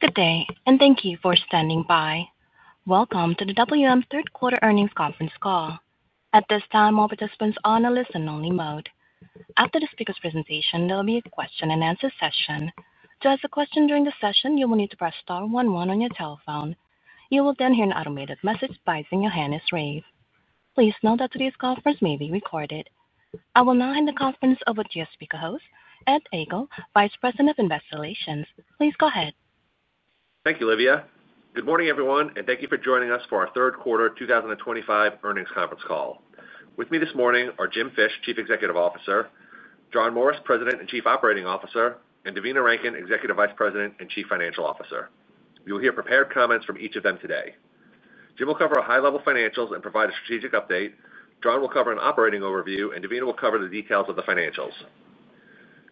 Good day, and thank you for standing by. Welcome to the WM third quarter earnings conference call. At this time, all participants are on a listen-only mode. After the speaker's presentation, there will be a question and answer session. To ask a question during the session, you will need to press star 11 on your telephone. You will then hear an automated message advising your hand is raised. Please note that today's conference may be recorded. I will now hand the conference over to your speaker host, Ed Egl, Vice President of Investor Relations. Please go ahead. Thank you, Livia. Good morning, everyone, and thank you for joining us for our Third Quarter 2025 Earnings Conference Call. With me this morning are Jim Fish, Chief Executive Officer, John Morris, President and Chief Operating Officer, and Devina Rankin, Executive Vice President and Chief Financial Officer. You will hear prepared comments from each of them today. Jim will cover high-level financials and provide a strategic update. John will cover an operating overview, and Devina will cover the details of the financials.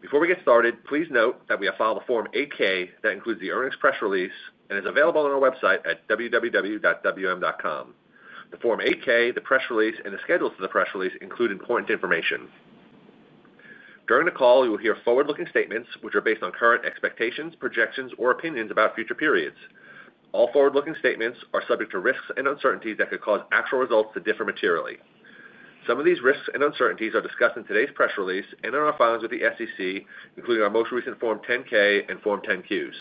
Before we get started, please note that we have filed a Form 8-K that includes the earnings press release and is available on our website at www.wm.com. The Form 8-K, the press release, and the schedules for the press release include important information. During the call, you will hear forward-looking statements, which are based on current expectations, projections, or opinions about future periods. All forward-looking statements are subject to risks and uncertainties that could cause actual results to differ materially. Some of these risks and uncertainties are discussed in today's press release and in our filings with the SEC, including our most recent Form 10-K and Form 10-Qs.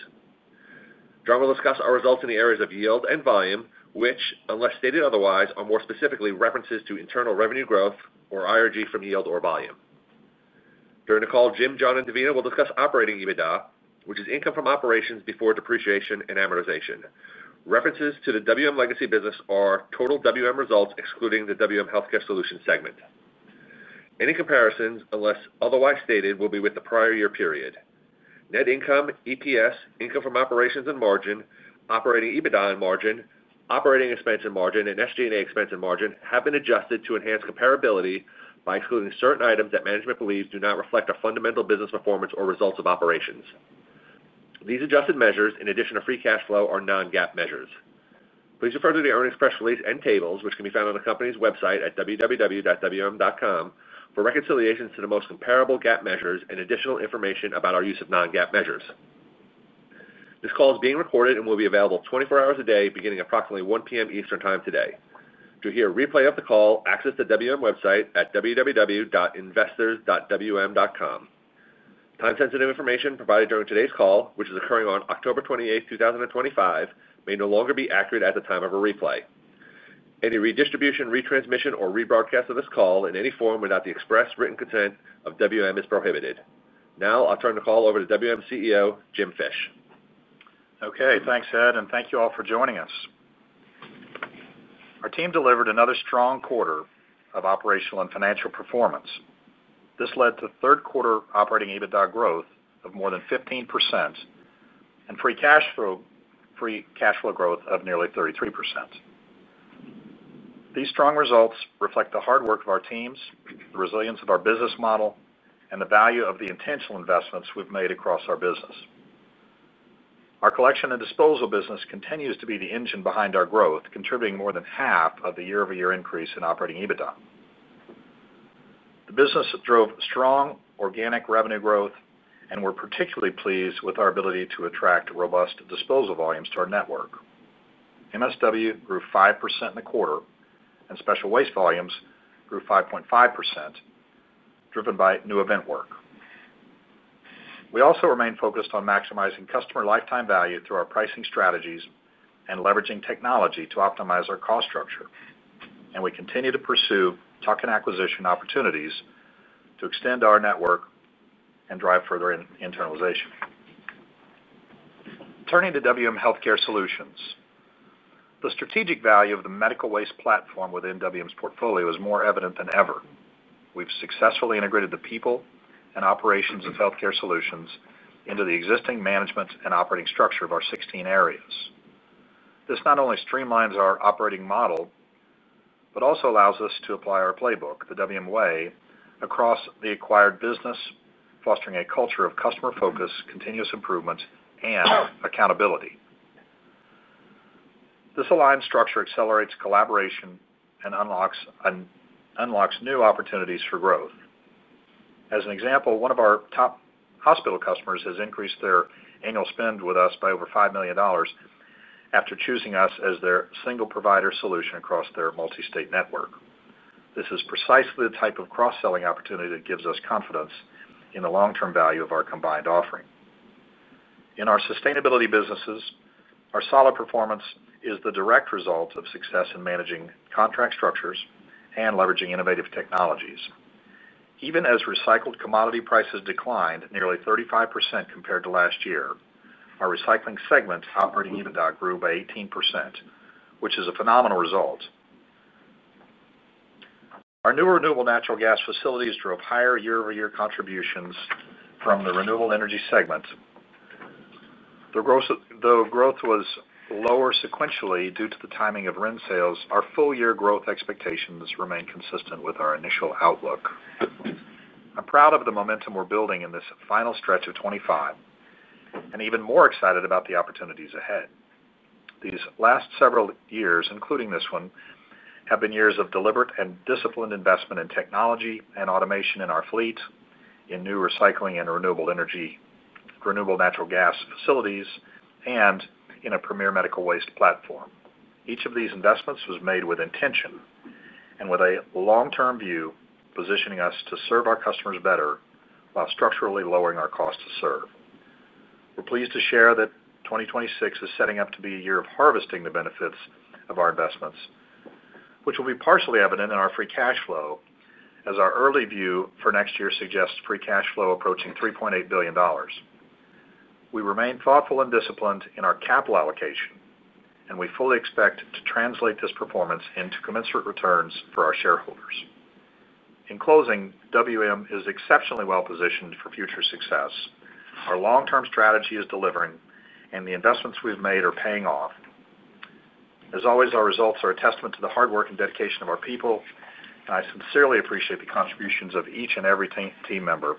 John will discuss our results in the areas of yield and volume, which, unless stated otherwise, are more specifically references to internal revenue growth or IRG from yield or volume. During the call, Jim, John, and Devina will discuss Operating EBITDA, which is income from operations before depreciation and amortization. References to the WM legacy business are total WM results, excluding the WM Healthcare Solutions segment. Any comparisons, unless otherwise stated, will be with the prior year period. Net income, EPS, income from operations and margin, Operating EBITDA and margin, operating expense and margin, and SG&A expense and margin have been adjusted to enhance comparability by excluding certain items that management believes do not reflect fundamental business performance or results of operations. These adjusted measures, in addition to free cash flow, are non-GAAP measures. Please refer to the earnings press release and tables, which can be found on the company's website at www.wm.com, for reconciliations to the most comparable GAAP measures and additional information about our use of non-GAAP measures. This call is being recorded and will be available 24 hours a day, beginning at approximately 1:00 P.M. Eastern Time today. To hear a replay of the call, access the WM website at www.investors.wm.com. Time-sensitive information provided during today's call, which is occurring on October 28, 2025, may no longer be accurate at the time of a replay. Any redistribution, retransmission, or rebroadcast of this call in any form without the express written consent of WM is prohibited. Now I'll turn the call over to WM CEO, Jim Fish. Okay. Thanks, Ed, and thank you all for joining us. Our team delivered another strong quarter of operational and financial performance. This led to third-quarter Operating EBITDA growth of more than 15% and free cash flow growth of nearly 33%. These strong results reflect the hard work of our teams, the resilience of our business model, and the value of the intentional investments we've made across our business. Our collection and disposal business continues to be the engine behind our growth, contributing more than half of the year-over-year increase in Operating EBITDA. The business drove strong organic revenue growth, and we're particularly pleased with our ability to attract robust disposal volumes to our network. MSW grew 5% in the quarter, and special waste volumes grew 5.5%, driven by new event work. We also remain focused on maximizing customer lifetime value through our pricing strategies and leveraging technology to optimize our cost structure. We continue to pursue talk and acquisition opportunities to extend our network and drive further internalization. Turning to WM Healthcare Solutions, the strategic value of the medical waste platform within WM's portfolio is more evident than ever. We've successfully integrated the people and operations of healthcare solutions into the existing management and operating structure of our 16 areas. This not only streamlines our operating model, but also allows us to apply our playbook, the WM way, across the acquired business, fostering a culture of customer focus, continuous improvement, and accountability. This aligned structure accelerates collaboration and unlocks new opportunities for growth. As an example, one of our top hospital customers has increased their annual spend with us by over $5 million after choosing us as their single provider solution across their multi-state network. This is precisely the type of cross-selling opportunity that gives us confidence in the long-term value of our combined offering. In our sustainability businesses, our solid performance is the direct result of success in managing contract structures and leveraging innovative technologies. Even as recycled commodity prices declined nearly 35% compared to last year, our recycling segment's Operating EBITDA grew by 18%, which is a phenomenal result. Our new renewable natural gas facilities drove higher year-over-year contributions from the renewable energy segment. Though growth was lower sequentially due to the timing of wind sales, our full-year growth expectations remain consistent with our initial outlook. I'm proud of the momentum we're building in this final stretch of 2025 and even more excited about the opportunities ahead. These last several years, including this one, have been years of deliberate and disciplined investment in technology and automation in our fleet, in new recycling and renewable natural gas facilities, and in a premier medical waste platform. Each of these investments was made with intention and with a long-term view, positioning us to serve our customers better while structurally lowering our cost to serve. We're pleased to share that 2026 is setting up to be a year of harvesting the benefits of our investments, which will be partially evident in our free cash flow, as our early view for next year suggests free cash flow approaching $3.8 billion. We remain thoughtful and disciplined in our capital allocation, and we fully expect to translate this performance into commensurate returns for our shareholders. In closing, WM is exceptionally well-positioned for future success. Our long-term strategy is delivering, and the investments we've made are paying off. As always, our results are a testament to the hard work and dedication of our people, and I sincerely appreciate the contributions of each and every team member.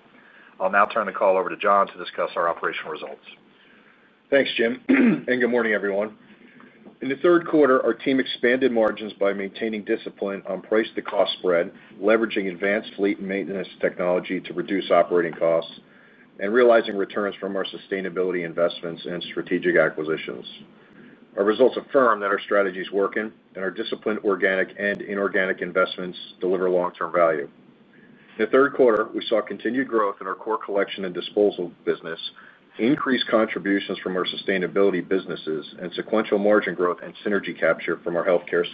I'll now turn the call over to John to discuss our operational results. Thanks, Jim, and good morning, everyone. In the third quarter, our team expanded margins by maintaining discipline on price-to-cost spread, leveraging advanced fleet and maintenance technology to reduce operating costs, and realizing returns from our sustainability investments and strategic acquisitions. Our results affirm that our strategy is working and our disciplined organic and inorganic investments deliver long-term value. In the third quarter, we saw continued growth in our core collection and disposal business, increased contributions from our sustainability businesses, and sequential margin growth and synergy capture from our healthcare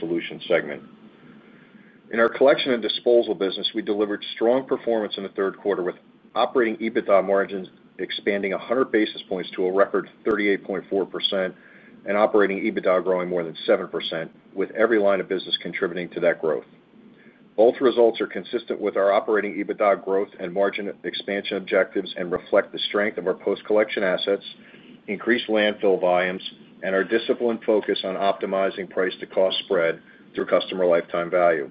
segment. In our collection and disposal business, we delivered strong performance in the third quarter, with Operating EBITDA margins expanding 100 basis points to a record 38.4% and Operating EBITDA growing more than 7%, with every line of business contributing to that growth. Both results are consistent with our Operating EBITDA growth and margin expansion objectives and reflect the strength of our post-collection assets, increased landfill volumes, and our disciplined focus on optimizing price-to-cost spread through customer lifetime value.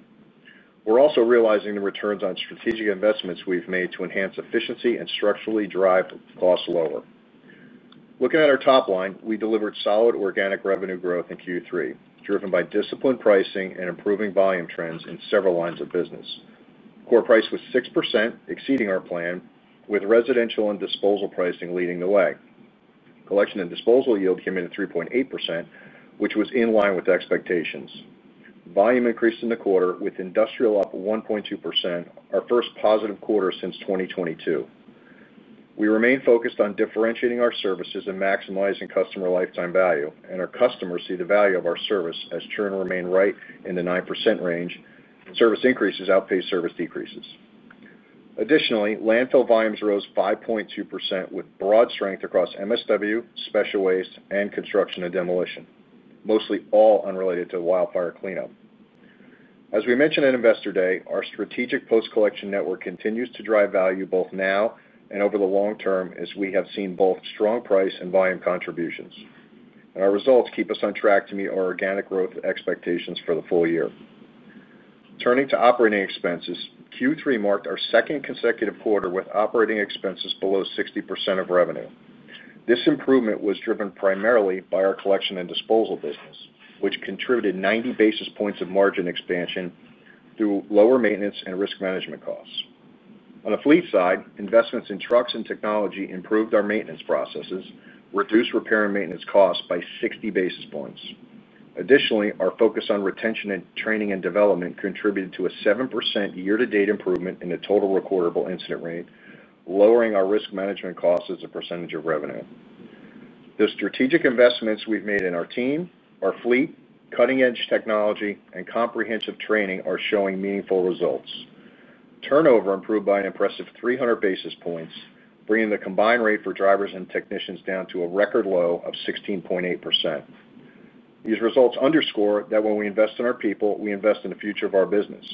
We're also realizing the returns on strategic investments we've made to enhance efficiency and structurally drive costs lower. Looking at our top line, we delivered solid organic revenue growth in Q3, driven by disciplined pricing and improving volume trends in several lines of business. Core price was 6%, exceeding our plan, with residential and disposal pricing leading the way. Collection and disposal yield came in at 3.8%, which was in line with expectations. Volume increased in the quarter, with industrial up 1.2%, our first positive quarter since 2022. We remain focused on differentiating our services and maximizing customer lifetime value, and our customers see the value of our service as churn remains right in the 9% range. Service increases outpace service decreases. Additionally, landfill volumes rose 5.2%, with broad strength across MSW, special waste, and construction and demolition, mostly all unrelated to wildfire cleanup. As we mentioned at Investor Day, our strategic post-collection network continues to drive value both now and over the long term, as we have seen both strong price and volume contributions. Our results keep us on track to meet our organic growth expectations for the full year. Turning to operating expenses, Q3 marked our second consecutive quarter with operating expenses below 60% of revenue. This improvement was driven primarily by our collection and disposal business, which contributed 90 basis points of margin expansion through lower maintenance and risk management costs. On the fleet side, investments in trucks and technology improved our maintenance processes, reduced repair and maintenance costs by 60 basis points. Additionally, our focus on retention and training and development contributed to a 7% year-to-date improvement in the total recordable incident rate, lowering our risk management cost as a percentage of revenue. The strategic investments we've made in our team, our fleet, cutting-edge technology, and comprehensive training are showing meaningful results. Turnover improved by an impressive 300 basis points, bringing the combined rate for drivers and technicians down to a record low of 16.8%. These results underscore that when we invest in our people, we invest in the future of our business.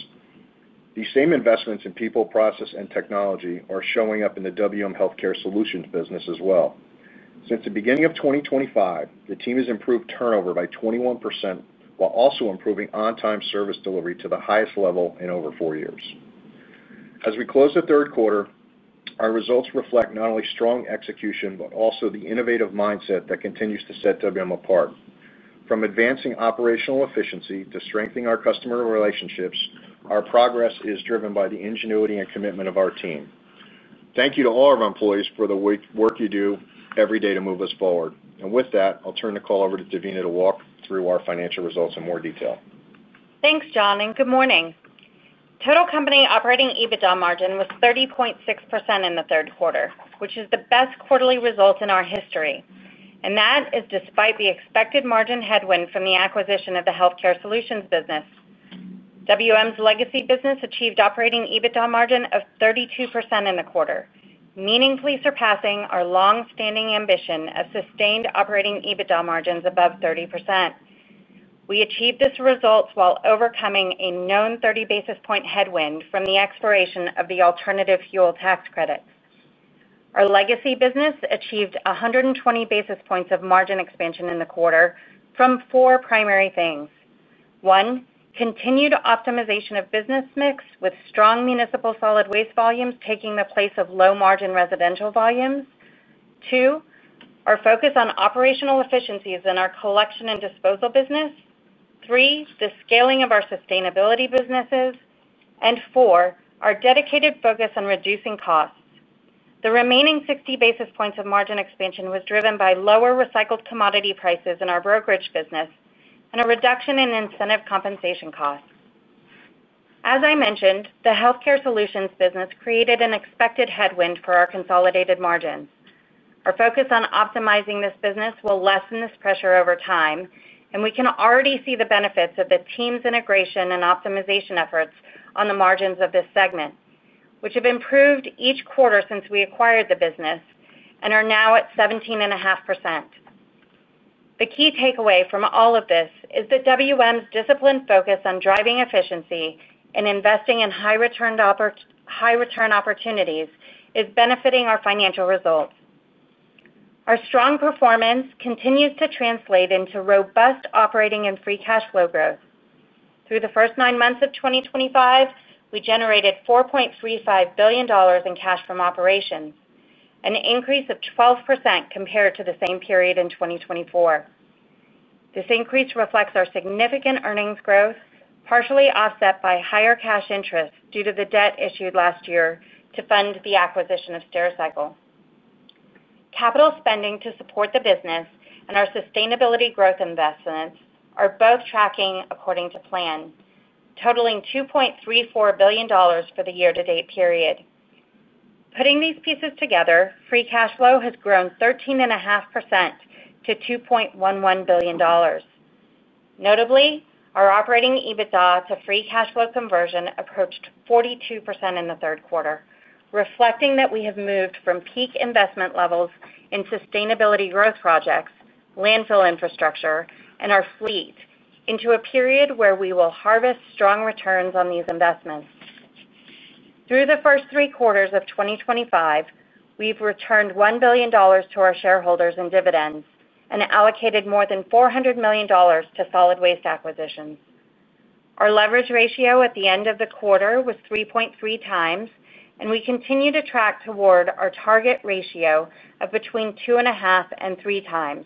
These same investments in people, process, and technology are showing up in the WM Healthcare Solutions business as well. Since the beginning of 2023, the team has improved turnover by 21% while also improving on-time service delivery to the highest level in over four years. As we close the third quarter, our results reflect not only strong execution but also the innovative mindset that continues to set WM apart. From advancing operational efficiency to strengthening our customer relationships, our progress is driven by the ingenuity and commitment of our team. Thank you to all of our employees for the work you do every day to move us forward. I'll turn the call over to Devina to walk through our financial results in more detail. Thanks, John, and good morning. Total company Operating EBITDA margin was 30.6% in the third quarter, which is the best quarterly result in our history. That is despite the expected margin headwind from the acquisition of the healthcare solutions business. WM's legacy business achieved Operating EBITDA margin of 32% in the quarter, meaningfully surpassing our long-standing ambition of sustained Operating EBITDA margins above 30%. We achieved this result while overcoming a known 30 basis point headwind from the expiration of the alternative fuel tax credit. Our legacy business achieved 120 basis points of margin expansion in the quarter from four primary things: one, continued optimization of business mix with strong municipal solid waste volumes taking the place of low margin residential volumes; two, our focus on operational efficiencies in our collection and disposal business; three, the scaling of our sustainability businesses; and four, our dedicated focus on reducing costs. The remaining 60 basis points of margin expansion was driven by lower recycled commodity prices in our brokerage business and a reduction in incentive compensation costs. As I mentioned, the healthcare solutions business created an expected headwind for our consolidated margins. Our focus on optimizing this business will lessen this pressure over time, and we can already see the benefits of the team's integration and optimization efforts on the margins of this segment, which have improved each quarter since we acquired the business and are now at 17.5%. The key takeaway from all of this is that WM's disciplined focus on driving efficiency and investing in high-return opportunities is benefiting our financial results. Our strong performance continues to translate into robust operating and free cash flow growth. Through the first nine months of 2025, we generated $4.35 billion in cash from operations, an increase of 12% compared to the same period in 2024. This increase reflects our significant earnings growth, partially offset by higher cash interest due to the debt issued last year to fund the acquisition of Stericycle. Capital spending to support the business and our sustainability growth investments are both tracking according to plan, totaling $2.34 billion for the year-to-date period. Putting these pieces together, free cash flow has grown 13.5% to $2.11 billion. Notably, our Operating EBITDA to free cash flow conversion approached 42% in the third quarter, reflecting that we have moved from peak investment levels in sustainability growth projects, landfill infrastructure, and our fleet into a period where we will harvest strong returns on these investments. Through the first three quarters of 2025, we've returned $1 billion to our shareholders in dividends and allocated more than $400 million to solid waste acquisitions. Our leverage ratio at the end of the quarter was 3.3x, and we continue to track toward our target ratio of between 2.5x-3x,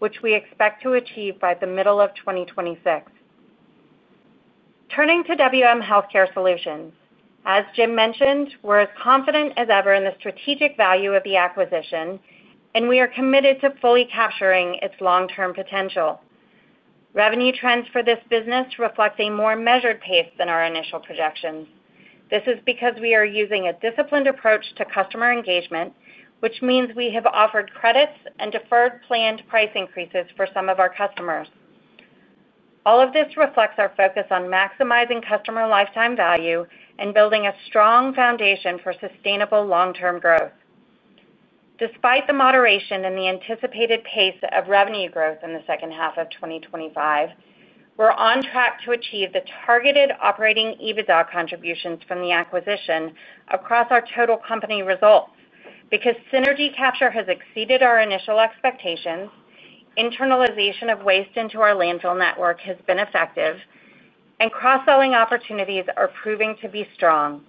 which we expect to achieve by the middle of 2026. Turning to WM Healthcare Solutions, as Jim mentioned, we're as confident as ever in the strategic value of the acquisition, and we are committed to fully capturing its long-term potential. Revenue trends for this business reflect a more measured pace than our initial projections. This is because we are using a disciplined approach to customer engagement, which means we have offered credits and deferred planned price increases for some of our customers. All of this reflects our focus on maximizing customer lifetime value and building a strong foundation for sustainable long-term growth. Despite the moderation in the anticipated pace of revenue growth in the second half of 2025, we're on track to achieve the targeted Operating EBITDA contributions from the acquisition across our total company results because synergy capture has exceeded our initial expectations, internalization of waste into our landfill network has been effective, and cross-selling opportunities are proving to be strong.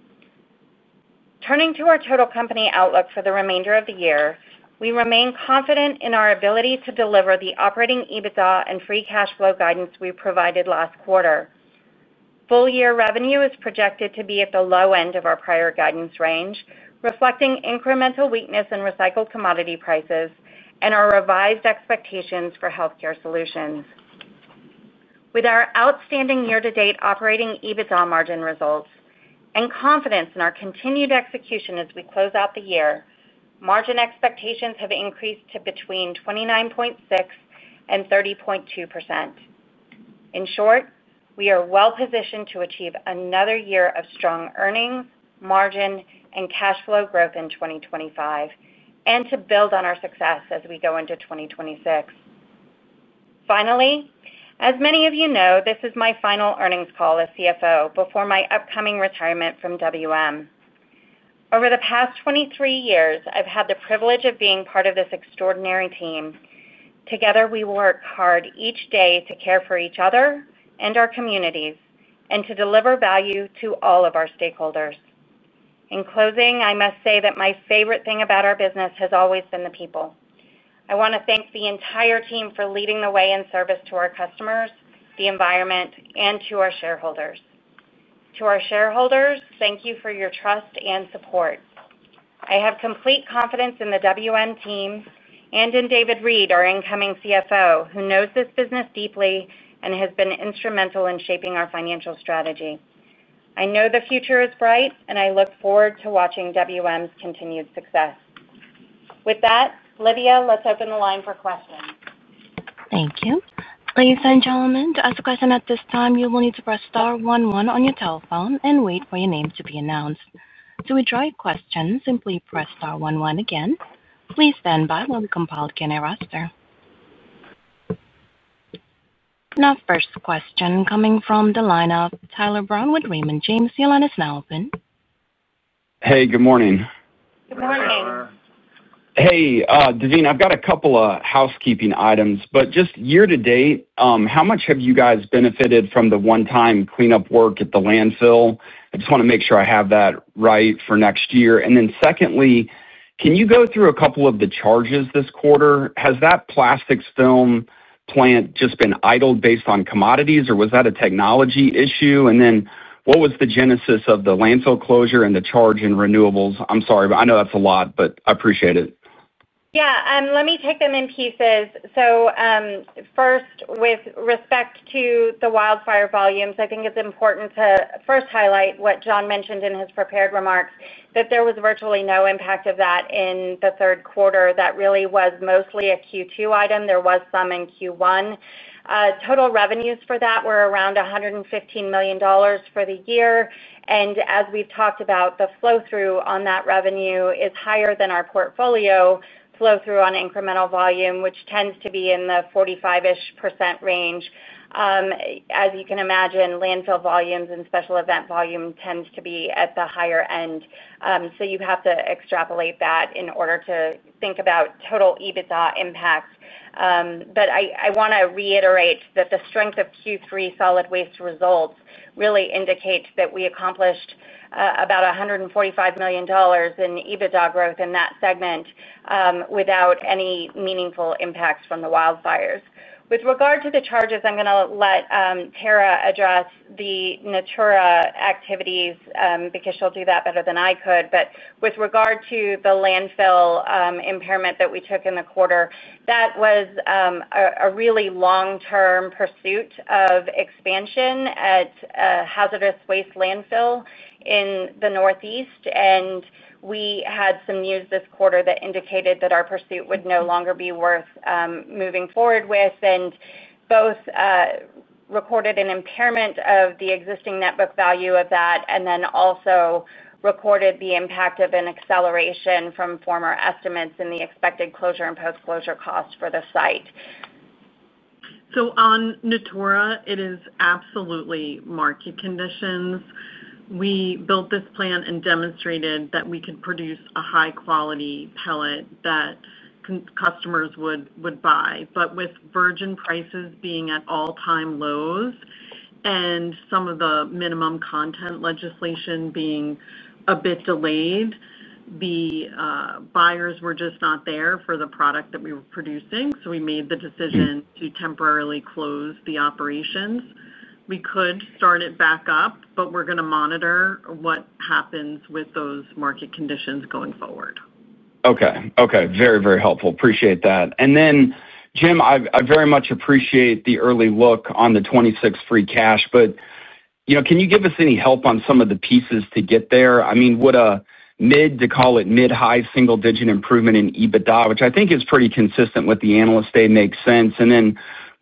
Turning to our total company outlook for the remainder of the year, we remain confident in our ability to deliver the Operating EBITDA and free cash flow guidance we provided last quarter. Full-year revenue is projected to be at the low end of our prior guidance range, reflecting incremental weakness in recycled commodity prices and our revised expectations for healthcare solutions. With our outstanding year-to-date Operating EBITDA margin results and confidence in our continued execution as we close out the year, margin expectations have increased to between 29.6%-30.2%. In short, we are well-positioned to achieve another year of strong earnings, margin, and cash flow growth in 2025, and to build on our success as we go into 2026. Finally, as many of you know, this is my final earnings call as CFO before my upcoming retirement from WM. Over the past 23 years, I've had the privilege of being part of this extraordinary team. Together, we work hard each day to care for each other and our communities and to deliver value to all of our stakeholders. In closing, I must say that my favorite thing about our business has always been the people. I want to thank the entire team for leading the way in service to our customers, the environment, and to our shareholders. To our shareholders, thank you for your trust and support. I have complete confidence in the WM team and in David Reid, our incoming CFO, who knows this business deeply and has been instrumental in shaping our financial strategy. I know the future is bright, and I look forward to watching WM's continued success. With that, Livia, let's open the line for questions. Thank you. Ladies and gentlemen, to ask a question at this time, you will need to press star one one on your telephone and wait for your name to be announced. To withdraw questions, simply press star one one again. Please stand by while we compile the Q&A roster. Now, first question coming from the line of Tyler Brown with Raymond James. Do you want to smell open? Hey, good morning. Good morning. Hey, Devina, I've got a couple of housekeeping items, but just year to date, how much have you guys benefited from the one-time cleanup work at the landfill? I just want to make sure I have that right for next year. Secondly, can you go through a couple of the charges this quarter? Has that plastics film plant just been idled based on commodities, or was that a technology issue? What was the genesis of the landfill closure and the charge in renewables? I'm sorry, I know that's a lot, but I appreciate it. Yeah, let me take them in pieces. First, with respect to the wildfire volumes, I think it's important to highlight what John mentioned in his prepared remarks, that there was virtually no impact of that in the third quarter. That really was mostly a Q2 item. There was some in Q1. Total revenues for that were around $115 million for the year. As we've talked about, the flow-through on that revenue is higher than our portfolio flow-through on incremental volume, which tends to be in the 45% range. As you can imagine, landfill volumes and special event volume tend to be at the higher end. You have to extrapolate that in order to think about total EBITDA impact. I want to reiterate that the strength of Q3 solid waste results really indicates that we accomplished about $145 million in EBITDA growth in that segment without any meaningful impacts from the wildfires. With regard to the charges, I'm going to let Tara address the Natura activities because she'll do that better than I could. With regard to the landfill impairment that we took in the quarter, that was a really long-term pursuit of expansion at a hazardous waste landfill in the Northeast. We had some news this quarter that indicated that our pursuit would no longer be worth moving forward with and both recorded an impairment of the existing net book value of that and then also recorded the impact of an acceleration from former estimates in the expected closure and post-closure cost for the site. On Natura, it is absolutely market conditions. We built this plant and demonstrated that we could produce a high-quality pellet that customers would buy. With Virgin prices being at all-time lows and some of the minimum content legislation being a bit delayed, the buyers were just not there for the product that we were producing. We made the decision to temporarily close the operations. We could start it back up, but we're going to monitor what happens with those market conditions going forward. Okay. Very, very helpful. Appreciate that. Jim, I very much appreciate the early look on the 2026 free cash. Can you give us any help on some of the pieces to get there? Would a mid, to call it mid-high single-digit improvement in EBITDA, which I think is pretty consistent with the analyst state, make sense?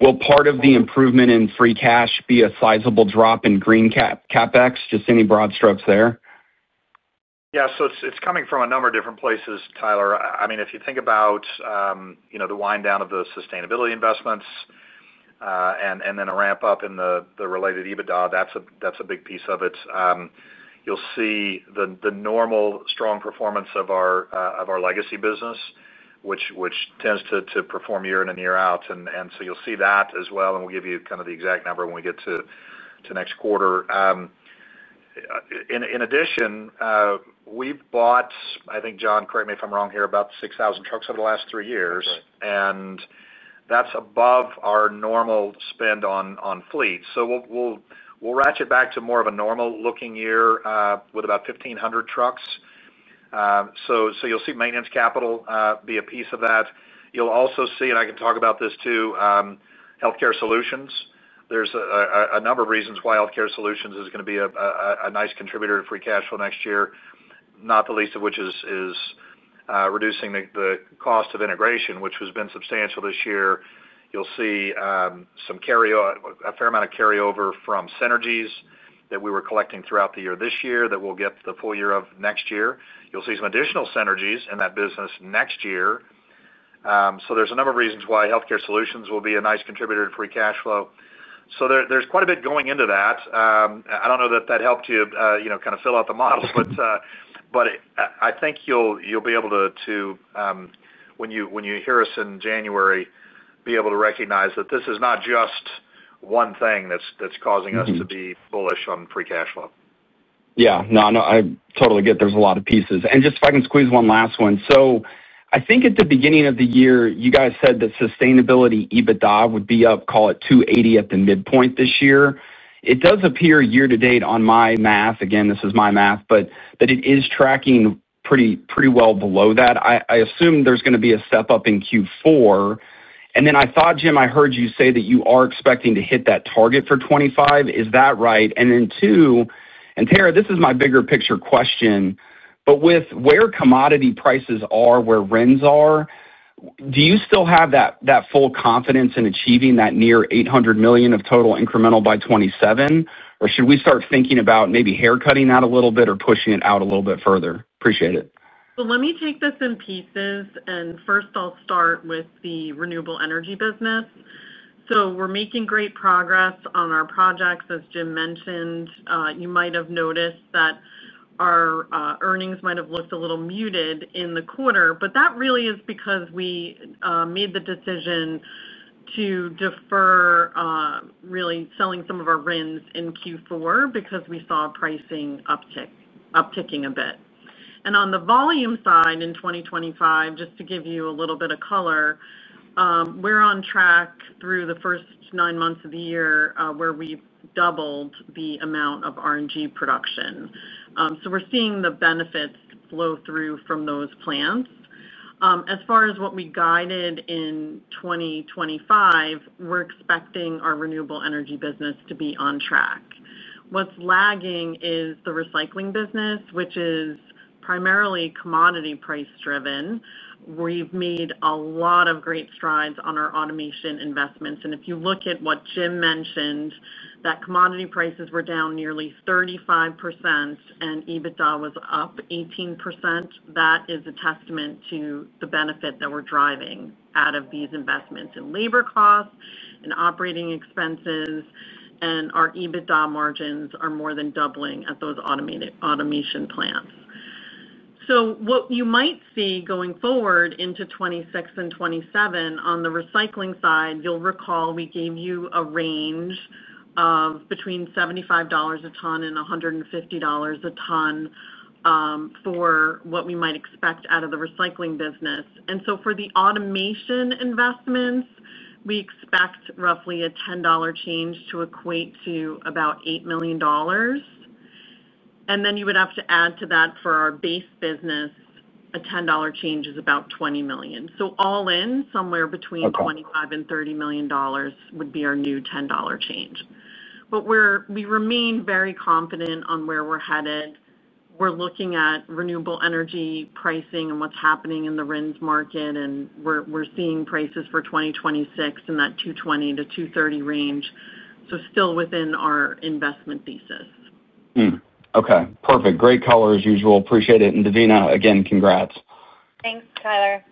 Will part of the improvement in free cash be a sizable drop in green CapEx? Any broad strokes there? Yeah. It's coming from a number of different places, Tyler. If you think about the wind-down of the sustainability investments and then a ramp-up in the related EBITDA, that's a big piece of it. You'll see the normal strong performance of our legacy business, which tends to perform year in and year out. You'll see that as well, and we'll give you the exact number when we get to next quarter. In addition, we've bought, I think, John, correct me if I'm wrong here, about 6,000 trucks over the last three years. That's above our normal spend on fleet. We'll ratchet back to more of a normal-looking year with about 1,500 trucks. You'll see maintenance capital be a piece of that. You'll also see, and I can talk about this too, healthcare solutions. There are a number of reasons why healthcare solutions is going to be a nice contributor to free cash flow next year, not the least of which is reducing the cost of integration, which has been substantial this year. You'll see a fair amount of carryover from synergies that we were collecting throughout the year this year that we'll get the full year of next year. You'll see some additional synergies in that business next year. There are a number of reasons why healthcare solutions will be a nice contributor to free cash flow. There's quite a bit going into that. I don't know that that helped you fill out the model, but I think you'll be able to, when you hear us in January, be able to recognize that this is not just one thing that's causing us to be bullish on free cash flow. Yeah. No, I totally get there's a lot of pieces. If I can squeeze one last one, I think at the beginning of the year, you guys said that sustainability EBITDA would be up, call it $280 million at the midpoint this year. It does appear year to date on my math, again, this is my math, but that it is tracking pretty well below that. I assume there's going to be a step up in Q4. I thought, Jim, I heard you say that you are expecting to hit that target for 2025. Is that right? Two, and Tara, this is my bigger picture question. With where commodity prices are, where rents are, do you still have that full confidence in achieving that near $800 million of total incremental by 2027, or should we start thinking about maybe hair cutting that a little bit or pushing it out a little bit further? Appreciate it. Let me take this in pieces. First, I'll start with the renewable energy business. We're making great progress on our projects, as Jim mentioned. You might have noticed that our earnings might have looked a little muted in the quarter, but that really is because we made the decision to defer really selling some of our RINs in Q4 because we saw pricing upticking a bit. On the volume side in 2025, just to give you a little bit of color, we're on track through the first nine months of the year where we've doubled the amount of RNG production. We're seeing the benefits flow through from those plants. As far as what we guided in 2025, we're expecting our renewable energy business to be on track. What's lagging is the recycling business, which is primarily commodity price-driven. We've made a lot of great strides on our automation investments. If you look at what Jim mentioned, that commodity prices were down nearly 35% and EBITDA was up 18%, that is a testament to the benefit that we're driving out of these investments in labor costs and operating expenses. Our EBITDA margins are more than doubling at those automation plants. What you might see going forward into 2026 and 2027, on the recycling side, you'll recall we gave you a range of between $75 a ton-$150 a ton for what we might expect out of the recycling business. For the automation investments, we expect roughly a $10 change to equate to about $8 million. You would have to add to that for our base business, a $10 change is about $20 million. All in, somewhere between $25 million-$30 million would be our new $10 change. We remain very confident on where we're headed. We're looking at renewable energy pricing and what's happening in the RINs market, and we're seeing prices for 2026 in that $220-$230 range. Still within our investment thesis. Okay. Perfect. Great color as usual. Appreciate it. Devina, again, congrats. Thanks, Tyler.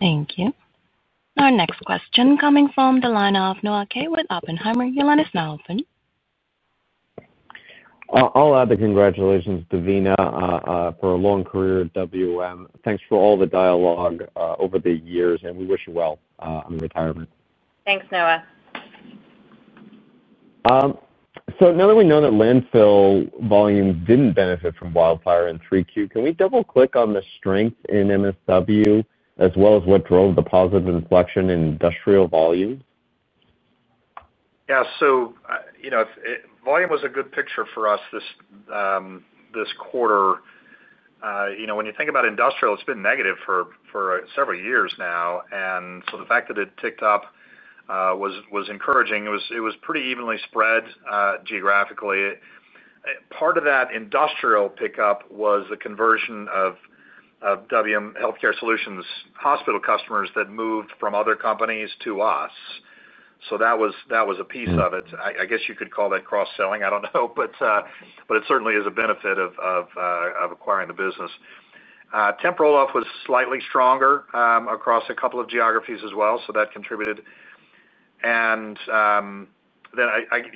Thank you. Our next question coming from the line of Noah Kaye with Oppenheimer, you'll let us know. I'll add the congratulations, Devina, for a long career at WM. Thanks for all the dialogue over the years, and we wish you well on your retirement. Thanks, Noah. Now that we know that landfill volume didn't benefit from wildfire in Q3, can we double-click on the strength in Municipal Solid Waste (MSW) as well as what drove the positive inflection in industrial volumes? Yeah. If volume was a good picture for us this quarter, when you think about industrial, it's been negative for several years now. The fact that it ticked up was encouraging. It was pretty evenly spread geographically. Part of that industrial pickup was the conversion of WM Healthcare Solutions' hospital customers that moved from other companies to us. That was a piece of it. I guess you could call that cross-selling. I don't know. It certainly is a benefit of acquiring the business. Temp roll-off was slightly stronger across a couple of geographies as well, so that contributed. You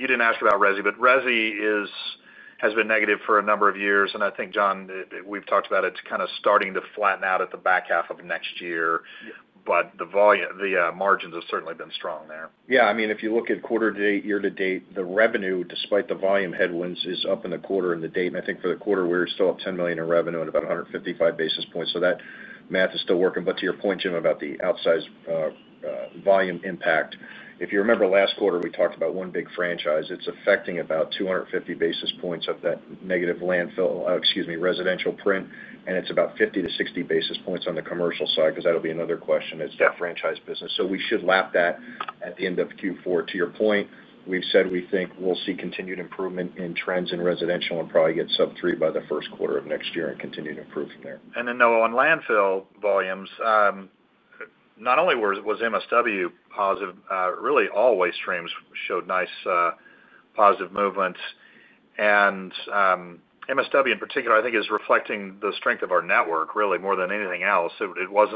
didn't ask about RESI, but RESI has been negative for a number of years. I think, John, we've talked about it kind of starting to flatten out at the back half of next year. The margins have certainly been strong there. Yeah. I mean, if you look at quarter to date, year to date, the revenue, despite the volume headwinds, is up in the quarter and the date. I think for the quarter, we're still at $10 million in revenue and about 155 basis points. That math is still working. To your point, Jim, about the outsized volume impact, if you remember last quarter, we talked about one big franchise. It's affecting about 250 basis points of that negative landfill, excuse me, residential print. It's about 50-60 basis points on the commercial side because that'll be another question. It's that franchise business. We should lap that at the end of Q4. To your point, we've said we think we'll see continued improvement in trends in residential and probably get sub 3% by the first quarter of next year and continue to improve from there. Noah, on landfill volumes, not only was MSW positive, really all waste streams showed nice positive movements. MSW, in particular, I think is reflecting the strength of our network more than anything else. It was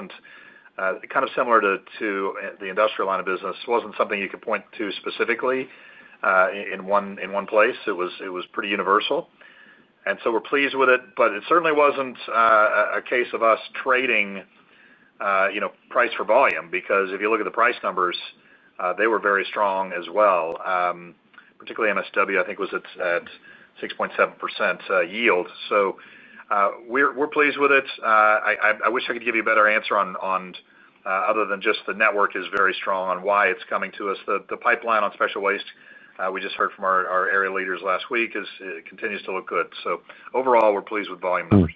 not kind of similar to the industrial line of business. It was not something you could point to specifically in one place. It was pretty universal. We are pleased with it. It certainly was not a case of us trading price for volume because if you look at the price numbers, they were very strong as well. Particularly, MSW, I think, was at 6.7% yield. We are pleased with it. I wish I could give you a better answer other than just the network is very strong on why it is coming to us. The pipeline on special waste, we just heard from our area leaders last week, continues to look good. Overall, we are pleased with volume numbers.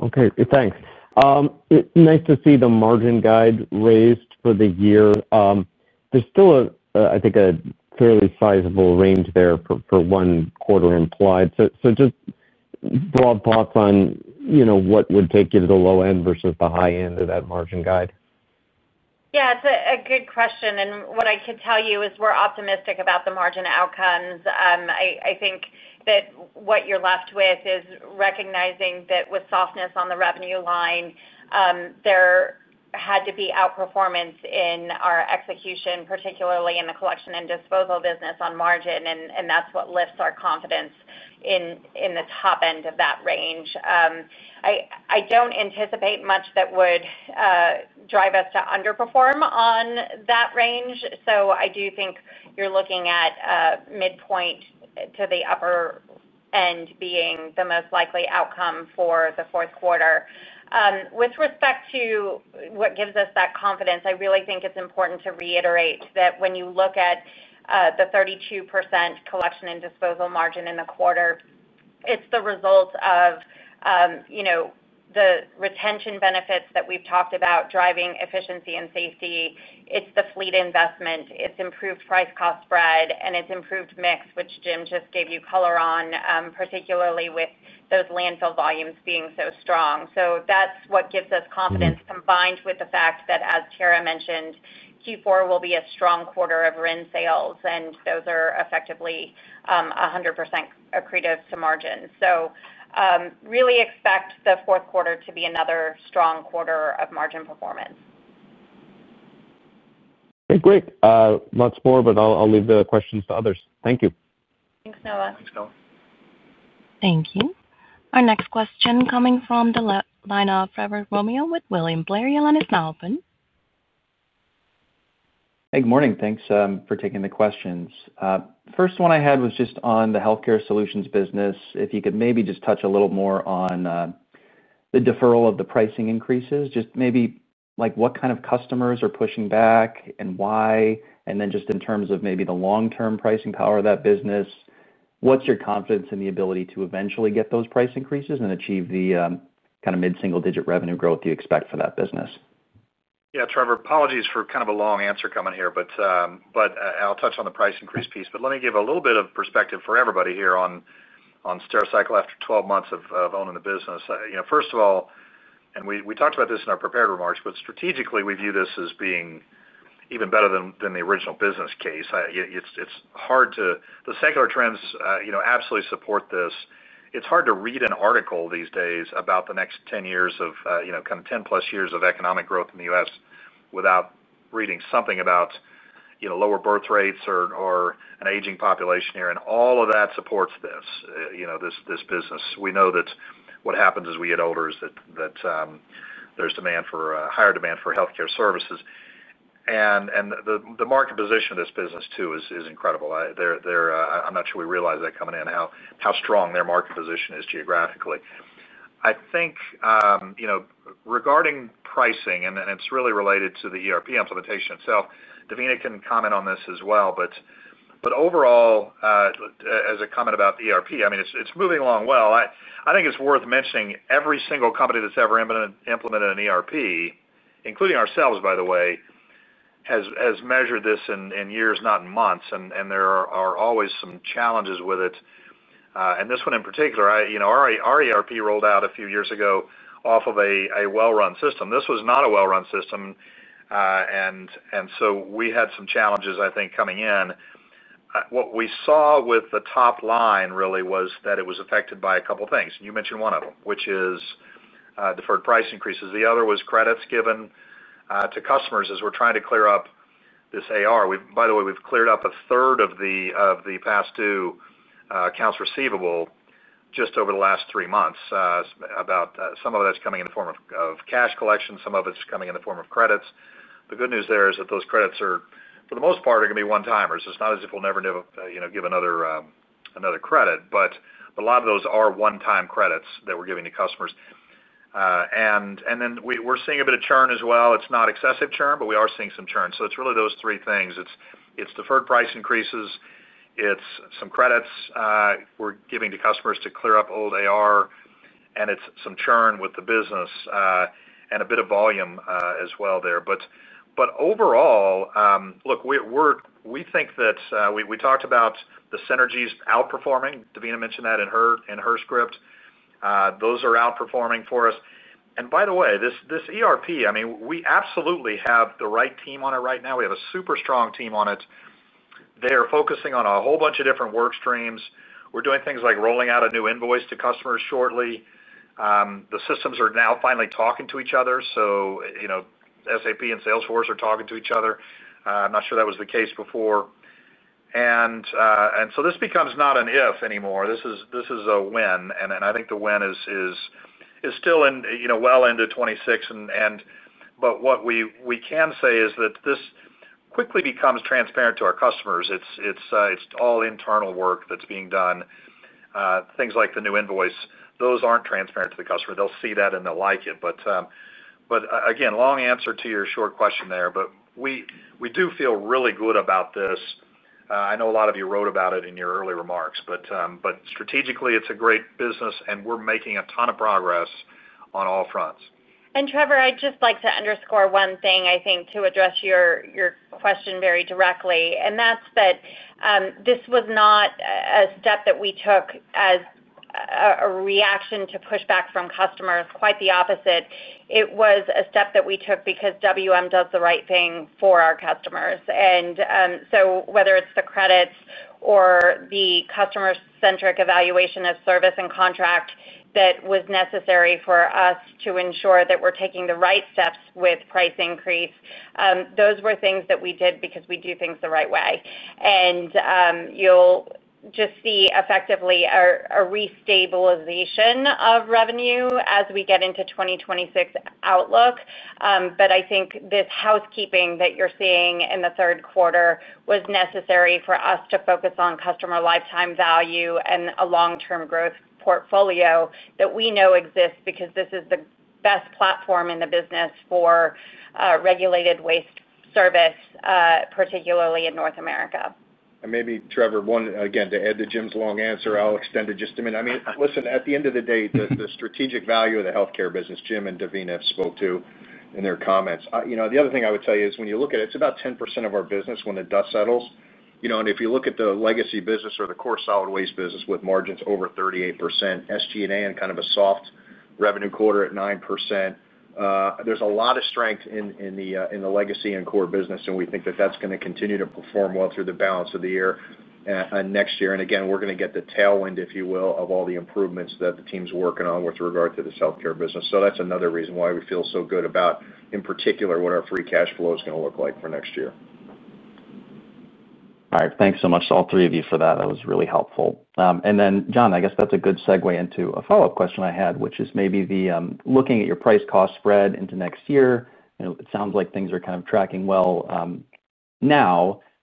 Okay. Thanks. Nice to see the margin guide raised for the year. There's still a, I think, a fairly sizable range there for one quarter implied. Just broad thoughts on, you know, what would take you to the low end versus the high end of that margin guide? Yeah, it's a good question. What I could tell you is we're optimistic about the margin outcomes. I think that what you're left with is recognizing that with softness on the revenue line, there had to be outperformance in our execution, particularly in the collection and disposal business on margin. That's what lifts our confidence in the top end of that range. I don't anticipate much that would drive us to underperform on that range. I do think you're looking at midpoint to the upper end being the most likely outcome for the fourth quarter. With respect to what gives us that confidence, I really think it's important to reiterate that when you look at the 32% collection and disposal margin in the quarter, it's the result of the retention benefits that we've talked about driving efficiency and safety. It's the fleet investment, it's improved price-cost spread, and it's improved mix, which Jim just gave you color on, particularly with those landfill volumes being so strong. That's what gives us confidence, combined with the fact that, as Tara mentioned, Q4 will be a strong quarter of RIN sales, and those are effectively 100% accretive to margins. Really expect the fourth quarter to be another strong quarter of margin performance. Okay, great. Lots more, but I'll leave the questions to others. Thank you. Thanks, Noah. Thanks, John. Thank you. Our next question coming from the line of Trevor Romeo with William Blair. You'll let us know. Hey, good morning. Thanks for taking the questions. First one I had was just on the healthcare solutions business. If you could maybe just touch a little more on the deferral of the pricing increases, just maybe like what kind of customers are pushing back and why, and then in terms of maybe the long-term pricing power of that business, what's your confidence in the ability to eventually get those price increases and achieve the kind of mid-single-digit revenue growth you expect for that business? Yeah, Trevor, apologies for kind of a long answer coming here, but I'll touch on the price increase piece. Let me give a little bit of perspective for everybody here on Stericycle after 12 months of owning the business. First of all, and we talked about this in our prepared remarks, strategically, we view this as being even better than the original business case. It's hard to, the secular trends absolutely support this. It's hard to read an article these days about the next 10 years of, kind of 10+ years of economic growth in the U.S. without reading something about lower birth rates or an aging population here. All of that supports this business. We know that what happens as we get older is that there's higher demand for healthcare services. The market position of this business, too, is incredible. I'm not sure we realized that coming in, how strong their market position is geographically. I think, regarding pricing, and it's really related to the ERP implementation itself, Devina can comment on this as well. Overall, as a comment about the ERP, it's moving along well. I think it's worth mentioning every single company that's ever implemented an ERP, including ourselves, by the way, has measured this in years, not in months. There are always some challenges with it. This one in particular, our ERP rolled out a few years ago off of a well-run system. This was not a well-run system. We had some challenges coming in. What we saw with the top line really was that it was affected by a couple of things. You mentioned one of them, which is deferred price increases. The other was credits given to customers as we're trying to clear up this AR. By the way, we've cleared up a third of the past due accounts receivable just over the last three months. Some of that's coming in the form of cash collection. Some of it's coming in the form of credits. The good news there is that those credits, for the most part, are going to be one-timers. It's not as if we'll never give another credit, but a lot of those are one-time credits that we're giving to customers. We're seeing a bit of churn as well. It's not excessive churn, but we are seeing some churn. It's really those three things. It's deferred price increases. It's some credits we're giving to customers to clear up old AR. It's some churn with the business and a bit of volume as well there. Overall, we think that we talked about the synergies outperforming. Devina mentioned that in her script. Those are outperforming for us. By the way, this ERP, we absolutely have the right team on it right now. We have a super strong team on it. They are focusing on a whole bunch of different work streams. We're doing things like rolling out a new invoice to customers shortly. The systems are now finally talking to each other. SAP and Salesforce are talking to each other. I'm not sure that was the case before. This becomes not an if anymore. This is a when. I think the when is still well into 2026. What we can say is that this quickly becomes transparent to our customers. It's all internal work that's being done. Things like the new invoice, those aren't transparent to the customer. They'll see that and they'll like it. Long answer to your short question there, but we do feel really good about this. I know a lot of you wrote about it in your early remarks, but strategically, it's a great business and we're making a ton of progress on all fronts. Trevor, I'd just like to underscore one thing, I think, to address your question very directly. This was not a step that we took as a reaction to pushback from customers, quite the opposite. It was a step that we took because WM does the right thing for our customers. Whether it's the credits or the customer-centric evaluation of service and contract that was necessary for us to ensure that we're taking the right steps with price increase, those were things that we did because we do things the right way. You'll just see effectively a restabilization of revenue as we get into the 2026 outlook. I think this housekeeping that you're seeing in the third quarter was necessary for us to focus on customer lifetime value and a long-term growth portfolio that we know exists because this is the best platform in the business for regulated waste service, particularly in North America. Maybe, Trevor, to add to Jim's long answer, I'll extend it just a minute. At the end of the day, the strategic value of the healthcare business, Jim and Devina spoke to in their comments. The other thing I would tell you is when you look at it, it's about 10% of our business when the dust settles. If you look at the legacy business or the core solid waste business with margins over 38%, SG&A in kind of a soft revenue quarter at 9%, there's a lot of strength in the legacy and core business. We think that that's going to continue to perform well through the balance of the year and next year. We're going to get the tailwind, if you will, of all the improvements that the team's working on with regard to this healthcare business. That's another reason why we feel so good about, in particular, what our free cash flow is going to look like for next year. All right. Thanks so much to all three of you for that. That was really helpful. John, I guess that's a good segue into a follow-up question I had, which is maybe looking at your price-cost spread into next year. It sounds like things are kind of tracking well.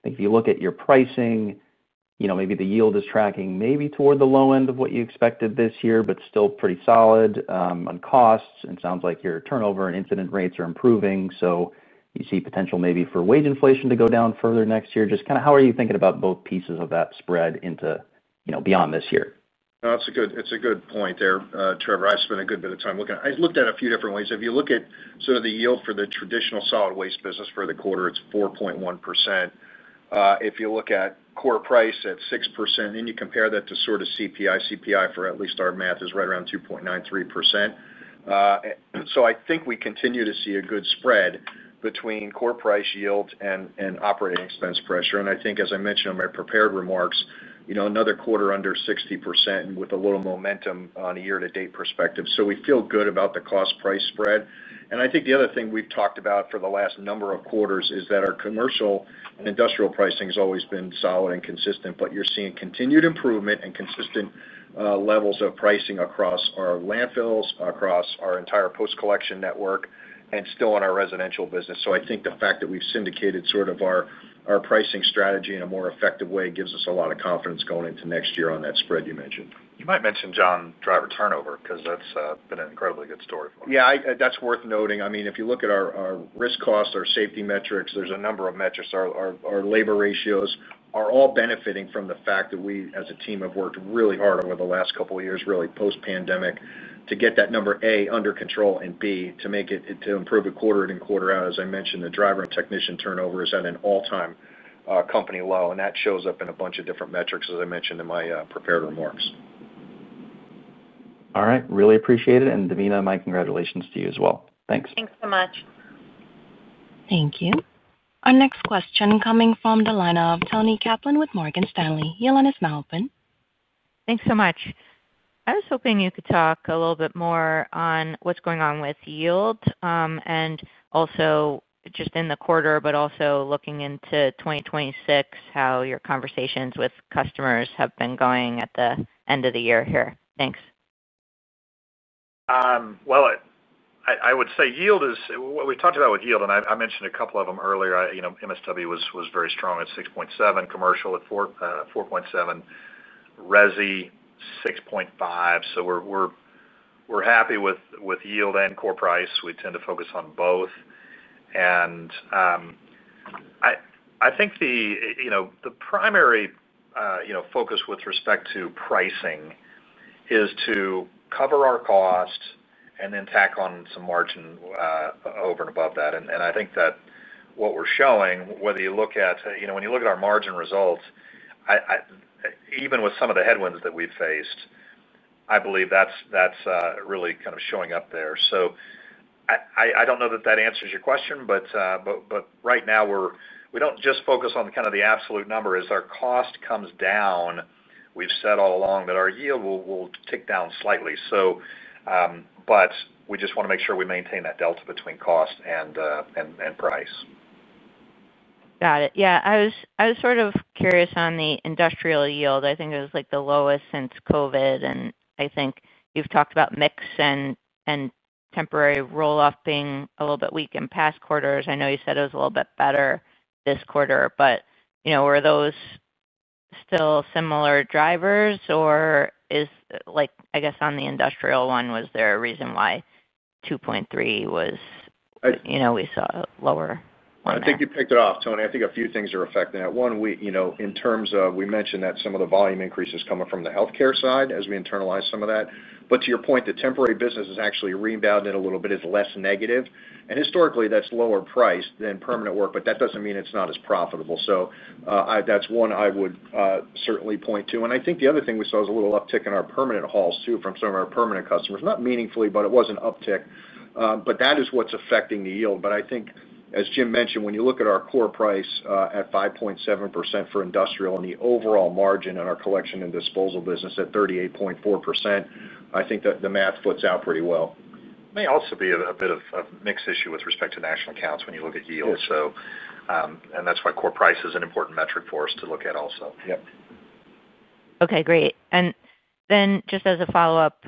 If you look at your pricing, maybe the yield is tracking maybe toward the low end of what you expected this year, but still pretty solid on costs. It sounds like your turnover and incident rates are improving. You see potential maybe for wage inflation to go down further next year. Just kind of how are you thinking about both pieces of that spread into, you know, beyond this year? That's a good point there, Trevor. I spent a good bit of time looking at it. I looked at it a few different ways. If you look at sort of the yield for the traditional solid waste business for the quarter, it's 4.1%. If you look at core price at 6%, and you compare that to sort of CPI, CPI for at least our math is right around 2.93%. I think we continue to see a good spread between core price yield and operating expense pressure. As I mentioned in my prepared remarks, another quarter under 60% and with a little momentum on a year-to-date perspective. We feel good about the cost-price spread. The other thing we've talked about for the last number of quarters is that our commercial and industrial pricing has always been solid and consistent, but you're seeing continued improvement and consistent levels of pricing across our landfills, across our entire post-collection network, and still in our residential business. I think the fact that we've syndicated sort of our pricing strategy in a more effective way gives us a lot of confidence going into next year on that spread you mentioned. You might mention, John, driver turnover, because that's been an incredibly good story for us. Yeah, that's worth noting. I mean, if you look at our risk cost, our safety metrics, there's a number of metrics. Our labor ratios are all benefiting from the fact that we, as a team, have worked really hard over the last couple of years, really post-pandemic, to get that number, A, under control and, B, to make it, to improve it quarter in and quarter out. As I mentioned, the driver and technician turnover is at an all-time company low. That shows up in a bunch of different metrics, as I mentioned in my prepared remarks. All right. Really appreciate it. Devina, my congratulations to you as well. Thanks. Thanks so much. Thank you. Our next question coming from the line of Toni Kaplan with Morgan Stanley. You'll let us know open. Thanks so much. I was hoping you could talk a little bit more on what's going on with yield, also just in the quarter, but also looking into 2026, how your conversations with customers have been going at the end of the year here. Thanks. I would say yield is what we talked about with yield, and I mentioned a couple of them earlier. MSW was very strong at 6.7%, Commercial at 4.7%, RESI 6.5%. We're happy with yield and core price. We tend to focus on both. I think the primary focus with respect to pricing is to cover our cost and then tack on some margin over and above that. I think that what we're showing, when you look at our margin results, even with some of the headwinds that we've faced, I believe that's really kind of showing up there. I don't know that that answers your question, but right now we don't just focus on the absolute number. As our cost comes down, we've said all along that our yield will tick down slightly. We just want to make sure we maintain that delta between cost and price. Got it. I was sort of curious on the industrial yield. I think it was like the lowest since COVID. I think you've talked about mix and temporary roll-off being a little bit weak in past quarters. I know you said it was a little bit better this quarter, but were those still similar drivers? Or is, on the industrial one, was there a reason why 2.3 was, you know, we saw a lower one? I think you picked it off, Toni. I think a few things are affecting it. One, we, you know, in terms of we mentioned that some of the volume increases coming from the healthcare side as we internalize some of that. To your point, the temporary business is actually rebounding a little bit. It's less negative. Historically, that's lower priced than permanent work, but that doesn't mean it's not as profitable. That's one I would certainly point to. I think the other thing we saw is a little uptick in our permanent hauls too from some of our permanent customers. Not meaningfully, but it was an uptick. That is what's affecting the yield. I think, as Jim mentioned, when you look at our core price at 5.7% for industrial and the overall margin in our collection and disposal business at 38.4%, I think that the math puts out pretty well. It may also be a bit of a mixed issue with respect to national accounts when you look at yield. That's why core price is an important metric for us to look at also. Yep. Okay, great. Just as a follow-up,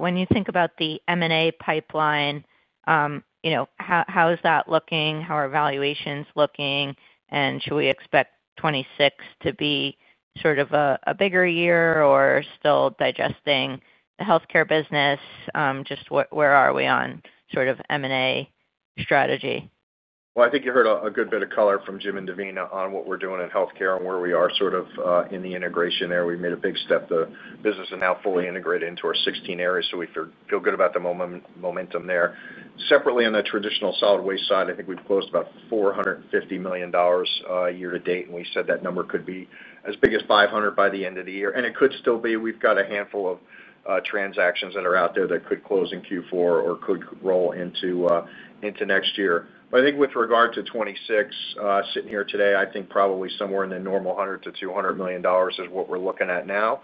when you think about the M&A pipeline, how is that looking? How are valuations looking? Should we expect 2026 to be sort of a bigger year or still digesting the healthcare business? Where are we on sort of M&A strategy? I think you heard a good bit of color from Jim and Devina on what we're doing in healthcare and where we are sort of in the integration there. We made a big step. The business is now fully integrated into our 16 areas, so we feel good about the momentum there. Separately, on the traditional solid waste side, I think we've closed about $450 million year to date. We said that number could be as big as $500 million by the end of the year, and it could still be. We've got a handful of transactions that are out there that could close in Q4 or could roll into next year. With regard to 2026, sitting here today, I think probably somewhere in the normal $100 million to $200 million is what we're looking at now.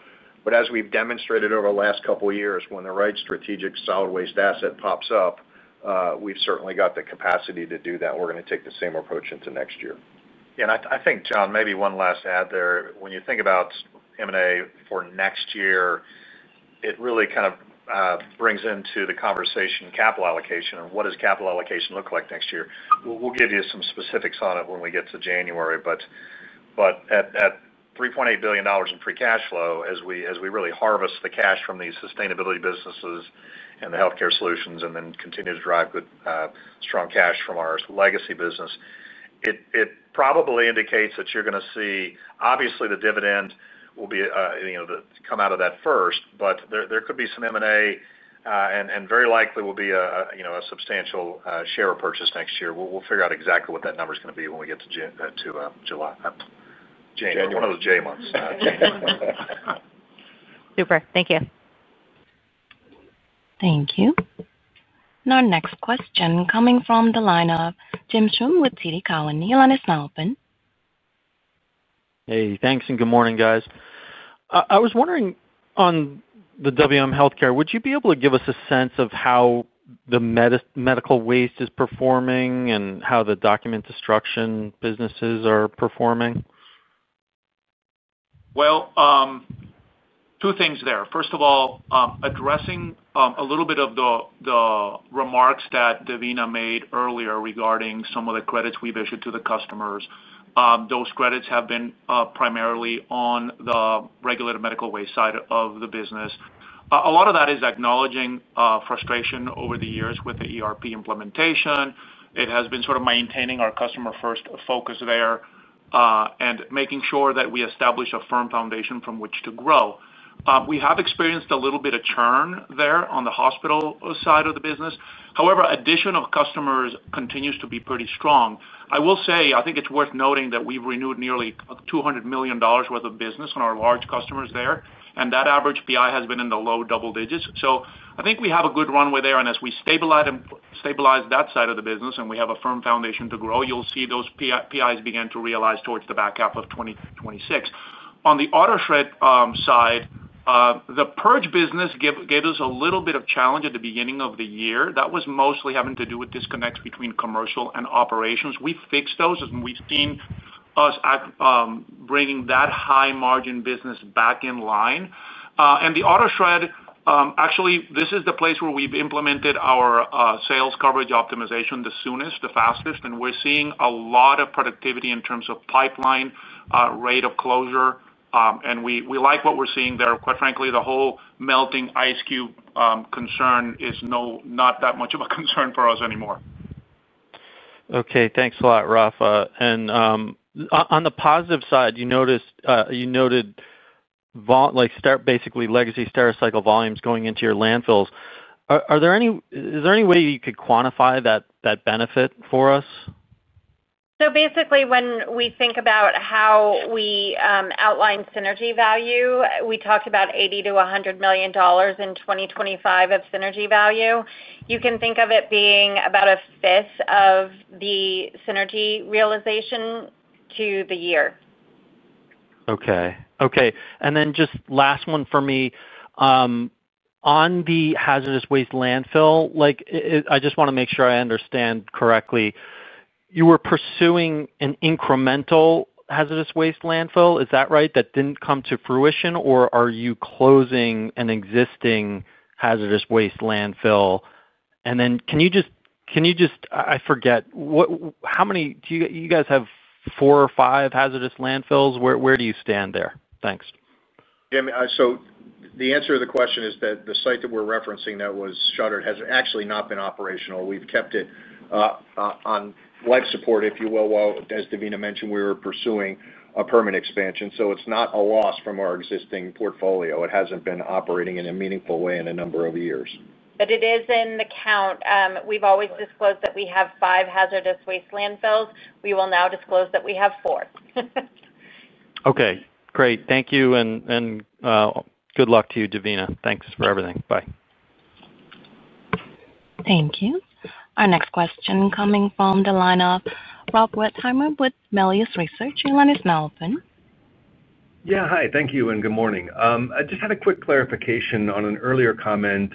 As we've demonstrated over the last couple of years, when the right strategic solid waste asset pops up, we've certainly got the capacity to do that. We're going to take the same approach into next year. Yeah. I think, John, maybe one last add there. When you think about M&A for next year, it really kind of brings into the conversation capital allocation and what does capital allocation look like next year? We'll give you some specifics on it when we get to January. At $3.8 billion in free cash flow, as we really harvest the cash from these sustainability businesses and the healthcare solutions and then continue to drive good strong cash from our legacy business, it probably indicates that you're going to see, obviously, the dividend will be, you know, come out of that first. There could be some M&A and very likely will be a substantial share purchase next year. We'll figure out exactly what that number is going to be when we get to January. One of those J months. Super. Thank you. Thank you. Our next question is coming from the line of James Schumm with TD Cowen. You may go ahead. Hey, thanks and good morning, guys. I was wondering, on the WM Healthcare, would you be able to give us a sense of how the medical waste is performing and how the document destruction businesses are performing? Two things there. First of all, addressing a little bit of the remarks that Devina made earlier regarding some of the credits we've issued to the customers. Those credits have been primarily on the regulated medical waste side of the business. A lot of that is acknowledging frustration over the years with the ERP system implementation. It has been sort of maintaining our customer-first focus there and making sure that we establish a firm foundation from which to grow. We have experienced a little bit of churn there on the hospital side of the business. However, the addition of customers continues to be pretty strong. I will say, I think it's worth noting that we've renewed nearly $200 million worth of business on our large customers there, and that average PI has been in the low double digits. I think we have a good runway there. As we stabilize that side of the business and we have a firm foundation to grow, you'll see those PIs begin to realize towards the back half of 2026. On the auto shred side, the purge business gave us a little bit of challenge at the beginning of the year. That was mostly having to do with disconnects between commercial and operations. We fixed those, and we've seen us bringing that high margin business back in line. The auto shred, actually, this is the place where we've implemented our sales coverage optimization the soonest, the fastest, and we're seeing a lot of productivity in terms of pipeline rate of closure. We like what we're seeing there. Quite frankly, the whole melting ice cube concern is not that much of a concern for us anymore. Okay. Thanks a lot, Rafael. On the positive side, you noted basically legacy Stericycle volumes going into your landfills. Is there any way you could quantify that benefit for us? Basically, when we think about how we outline synergy value, we talked about $80 million-$100 million in 2025 of synergy value. You can think of it being about a fifth of the synergy realization to the year. Okay. On the hazardous waste landfill, I just want to make sure I understand correctly. You were pursuing an incremental hazardous waste landfill. Is that right? That didn't come to fruition, or are you closing an existing hazardous waste landfill? Can you just, I forget, how many do you guys have, four or five hazardous landfills? Where do you stand there? Thanks. Yeah, I mean, the answer to the question is that the site that we're referencing that was shuttered has actually not been operational. We've kept it on life support, if you will, while, as Devina mentioned, we were pursuing a permanent expansion. It's not a loss from our existing portfolio. It hasn't been operating in a meaningful way in a number of years. It is in the count. We've always disclosed that we have five hazardous waste landfills. We will now disclose that we have four. Okay. Great. Thank you. Good luck to you, Devina. Thanks for everything. Bye. Thank you. Our next question coming from the line of Rob Wertheimer with Melius Research. You'll let us know, open. Yeah. Hi. Thank you and good morning. I just had a quick clarification on an earlier comment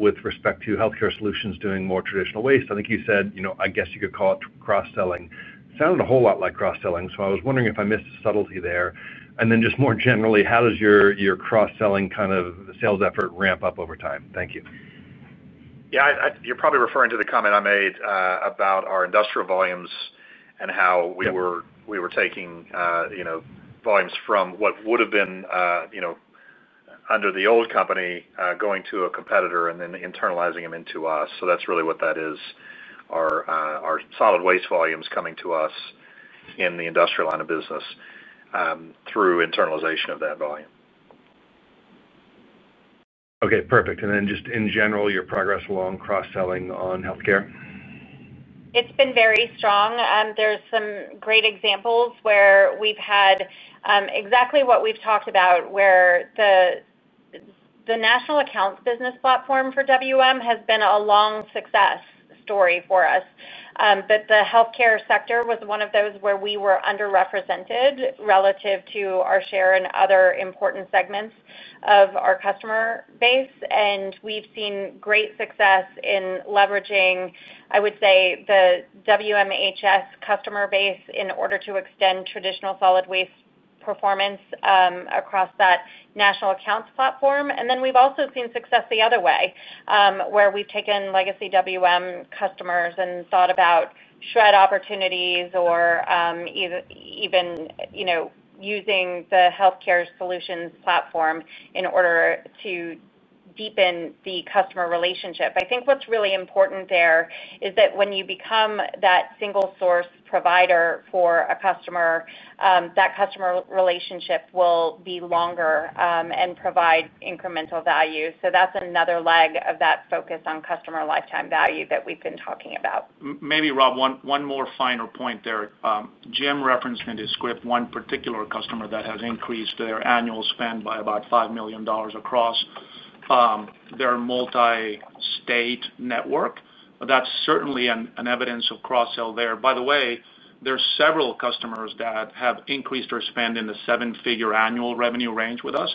with respect to Healthcare Solutions doing more traditional waste. I think you said, you know, I guess you could call it cross-selling. It sounded a whole lot like cross-selling. I was wondering if I missed a subtlety there. Just more generally, how does your cross-selling kind of sales effort ramp up over time? Thank you. Yeah, you're probably referring to the comment I made about our industrial volumes and how we were taking volumes from what would have been under the old company going to a competitor and then internalizing them into us. That's really what that is. Our solid waste volumes are coming to us in the industrial line of business through internalization of that volume. Okay. Perfect. In general, your progress along cross-selling on healthcare? It's been very strong. There are some great examples where we've had exactly what we've talked about, where the National Accounts Business platform for WM has been a long success story for us. The healthcare sector was one of those where we were underrepresented relative to our share in other important segments of our customer base. We've seen great success in leveraging, I would say, the WM Healthcare Solutions customer base in order to extend traditional solid waste performance across that National Accounts platform. We've also seen success the other way, where we've taken legacy WM customers and thought about shred opportunities or even, you know, using the healthcare solutions platform in order to deepen the customer relationship. I think what's really important there is that when you become that single source provider for a customer, that customer relationship will be longer and provide incremental value. That's another leg of that focus on customer lifetime value that we've been talking about. Maybe, Rob, one more finer point there. Jim referenced in his script one particular customer that has increased their annual spend by about $5 million across their multi-state network. That's certainly an evidence of cross-sell there. By the way, there are several customers that have increased their spend in the seven-figure annual revenue range with us.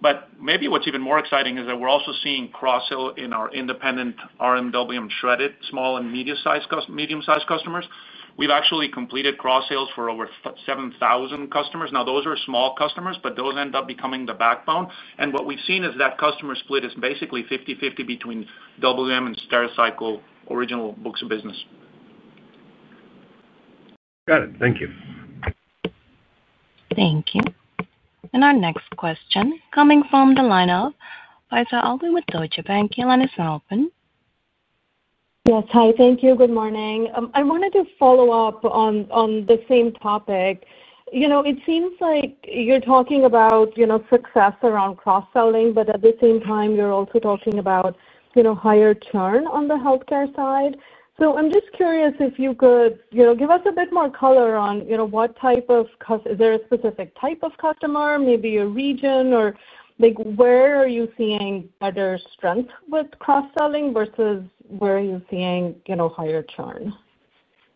What is even more exciting is that we're also seeing cross-sell in our independent regulated medical waste management shredded small and medium-sized customers. We've actually completed cross-sales for over 7,000 customers. Those are small customers, but those end up becoming the backbone. What we've seen is that customer split is basically 50/50 between WM and Stericycle original books of business. Got it. Thank you. Thank you. Our next question is coming from the line of Faiza Alwy with Deutsche Bank. You'll let us know, open. Yes. Hi. Thank you. Good morning. I wanted to follow up on the same topic. It seems like you're talking about success around cross-selling, but at the same time, you're also talking about higher churn on the healthcare side. I'm just curious if you could give us a bit more color on what type of customer, is there a specific type of customer, maybe a region, or where are you seeing better strength with cross-selling versus where are you seeing higher churn?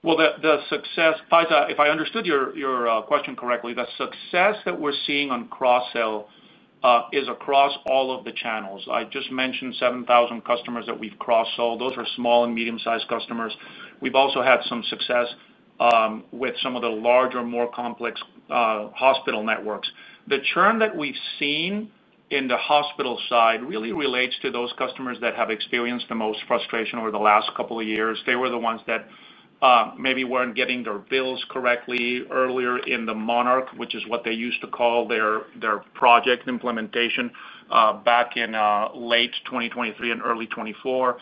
The success, if I understood your question correctly, the success that we're seeing on cross-sell is across all of the channels. I just mentioned 7,000 customers that we've cross-sold. Those are small and medium-sized customers. We've also had some success with some of the larger, more complex hospital networks. The churn that we've seen in the hospital side really relates to those customers that have experienced the most frustration over the last couple of years. They were the ones that maybe weren't getting their bills correctly earlier in the Monarch, which is what they used to call their project implementation back in late 2023 and early 2024.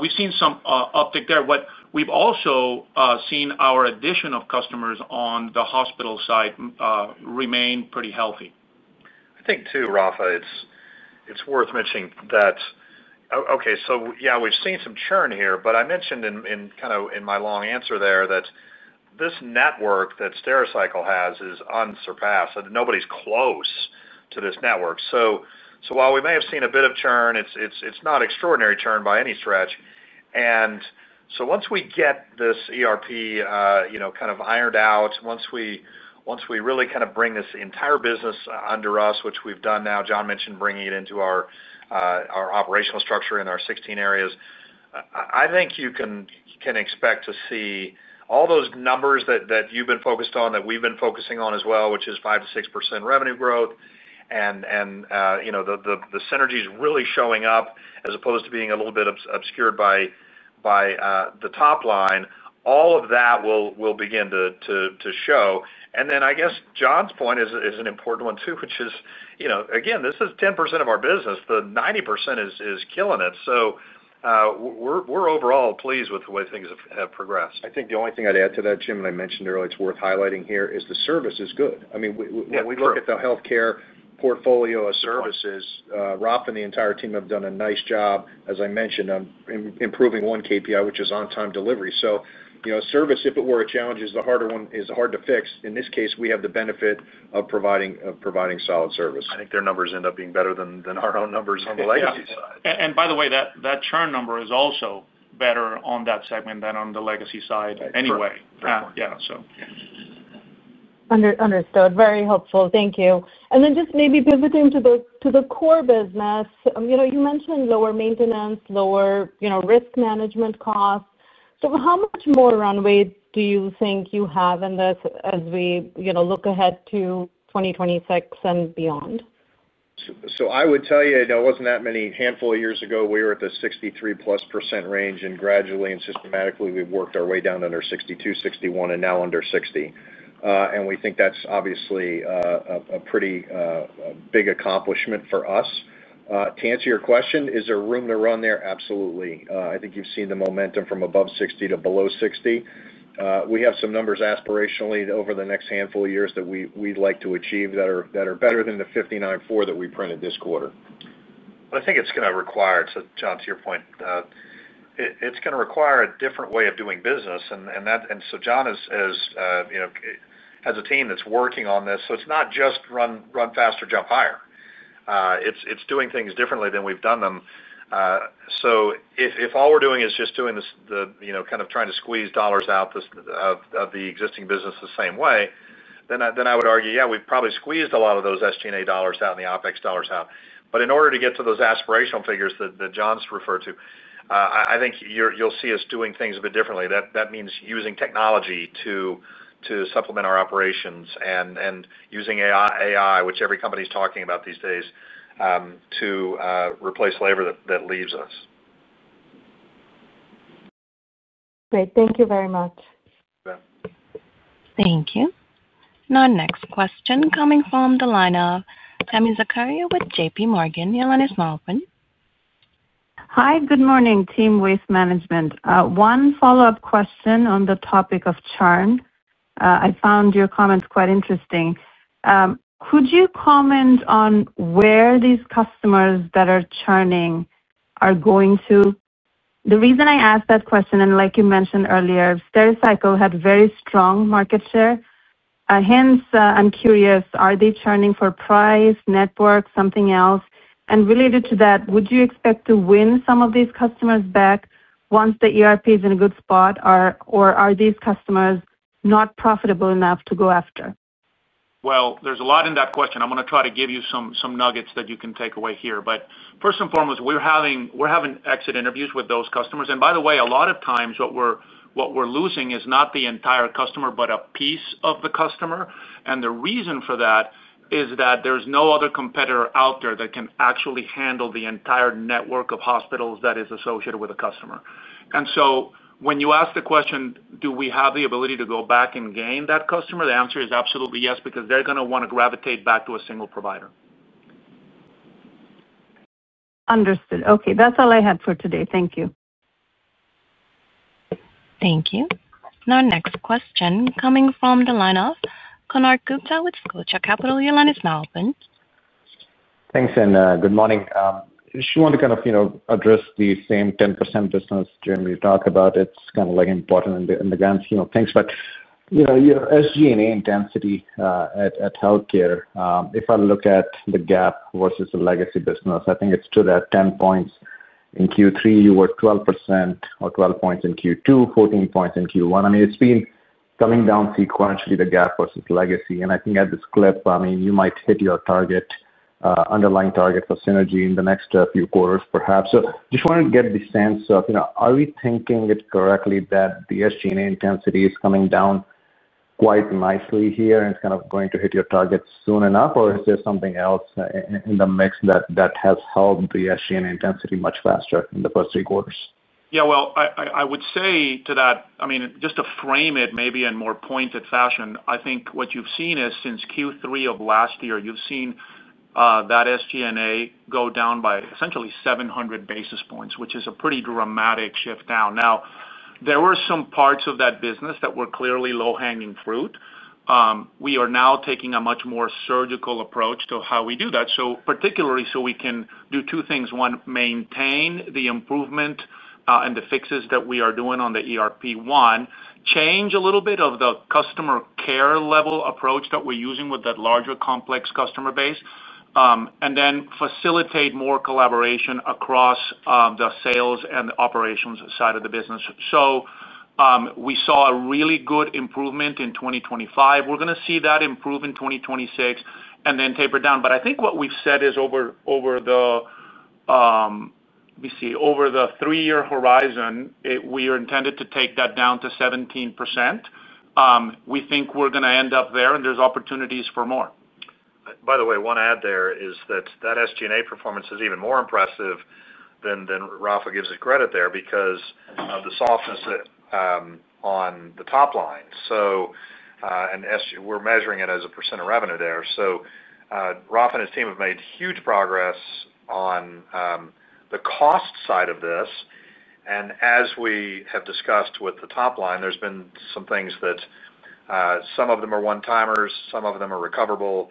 We've seen some uptick there. We've also seen our addition of customers on the hospital side remain pretty healthy. I think too, Rafa, it's worth mentioning that, okay, we've seen some churn here, but I mentioned in my long answer there that this network that Stericycle has is unsurpassed. Nobody's close to this network. While we may have seen a bit of churn, it's not extraordinary churn by any stretch. Once we get this ERP system kind of ironed out, once we really bring this entire business under us, which we've done now, John mentioned bringing it into our operational structure in our 16 areas, I think you can expect to see all those numbers that you've been focused on, that we've been focusing on as well, which is 5%-6% revenue growth. The synergy is really showing up as opposed to being a little bit obscured by the top line. All of that will begin to show. I guess John's point is an important one too, which is, again, this is 10% of our business. The 90% is killing it. We're overall pleased with the way things have progressed. I think the only thing I'd add to that, Jim, and I mentioned earlier, it's worth highlighting here is the service is good. I mean, when we look at the healthcare portfolio of services, Rafa and the entire team have done a nice job, as I mentioned, on improving one KPI, which is on-time delivery. Service, if it were a challenge, is the harder one, is hard to fix. In this case, we have the benefit of providing solid service. I think their numbers end up being better than our own numbers on the legacy side. By the way, that churn number is also better on that segment than on the legacy side anyway. Yeah, so. Understood. Very helpful. Thank you. Just maybe pivoting to the core business, you mentioned lower maintenance, lower risk management costs. How much more runway do you think you have in this as we look ahead to 2026 and beyond? I would tell you, you know, it wasn't that many. A handful of years ago, we were at the 63+% range, and gradually and systematically, we've worked our way down under 62%, 61%, and now under 60%. We think that's obviously a pretty big accomplishment for us. To answer your question, is there room to run there? Absolutely. I think you've seen the momentum from above 60% to below 60%. We have some numbers aspirationally over the next handful of years that we'd like to achieve that are better than the 59.4% that we printed this quarter. I think it's going to require, John, to your point, it's going to require a different way of doing business. John, as you know, has a team that's working on this. It's not just run faster, jump higher. It's doing things differently than we've done them. If all we're doing is just doing this, kind of trying to squeeze dollars out of the existing business the same way, then I would argue, yeah, we've probably squeezed a lot of those SG&A dollars out and the OpEx dollars out. In order to get to those aspirational figures that John's referred to, I think you'll see us doing things a bit differently. That means using technology to supplement our operations and using AI, which every company's talking about these days, to replace labor that leaves us. Great. Thank you very much. Thank you. Our next question is coming from the line of Tami Zakaria with JPMorgan. You'll let us know, open. Hi. Good morning, team Waste Management. One follow-up question on the topic of churn. I found your comments quite interesting. Could you comment on where these customers that are churning are going to? The reason I asked that question, and like you mentioned earlier, Stericycle had very strong market share. Hence, I'm curious, are they churning for price, network, something else? Related to that, would you expect to win some of these customers back once the ERP system is in a good spot, or are these customers not profitable enough to go after? There is a lot in that question. I'm going to try to give you some nuggets that you can take away here. First and foremost, we're having exit interviews with those customers. By the way, a lot of times what we're losing is not the entire customer, but a piece of the customer. The reason for that is that there's no other competitor out there that can actually handle the entire network of hospitals that is associated with a customer. When you ask the question, do we have the ability to go back and gain that customer? The answer is absolutely yes, because they're going to want to gravitate back to a single provider. Understood. Okay, that's all I had for today. Thank you. Thank you. Now, next question coming from the line of Konark Gupta with Scotia Capital. You'll let us know, open. Thanks, and good morning. I just want to kind of address the same 10% business, Jim, you talked about. It's kind of important in the grand scheme of things. Your SG&A intensity at healthcare, if I look at the gap versus the legacy business, I think it's true that 10 points in Q3, you were 12% or 12 points in Q2, 14 points in Q1. It's been coming down sequentially, the gap versus legacy. I think at this clip, you might hit your target, underlying target for synergy in the next few quarters, perhaps. I just want to get the sense of, are we thinking it correctly that the SG&A intensity is coming down quite nicely here and it's going to hit your target soon enough, or is there something else in the mix that has helped the SG&A intensity much faster in the first three quarters? I would say to that, just to frame it maybe in a more pointed fashion, I think what you've seen is since Q3 of last year, you've seen that SG&A go down by essentially 700 basis points, which is a pretty dramatic shift down. There were some parts of that business that were clearly low-hanging fruit. We are now taking a much more surgical approach to how we do that. Particularly, we can do two things. One, maintain the improvement and the fixes that we are doing on the ERP system. One, change a little bit of the customer care level approach that we're using with that larger complex customer base, and then facilitate more collaboration across the sales and the operations side of the business. We saw a really good improvement in 2025. We're going to see that improve in 2026 and then taper down. I think what we've said is over the, let me see, over the three-year horizon, we are intended to take that down to 17%. We think we're going to end up there, and there's opportunities for more. By the way, one add there is that SG&A performance is even more impressive than Rafa gives it credit there because of the softness on the top line. We are measuring it as a % of revenue there. Rafa and his team have made huge progress on the cost side of this. As we have discussed with the top line, there have been some things that some of them are one-timers, some of them are recoverable.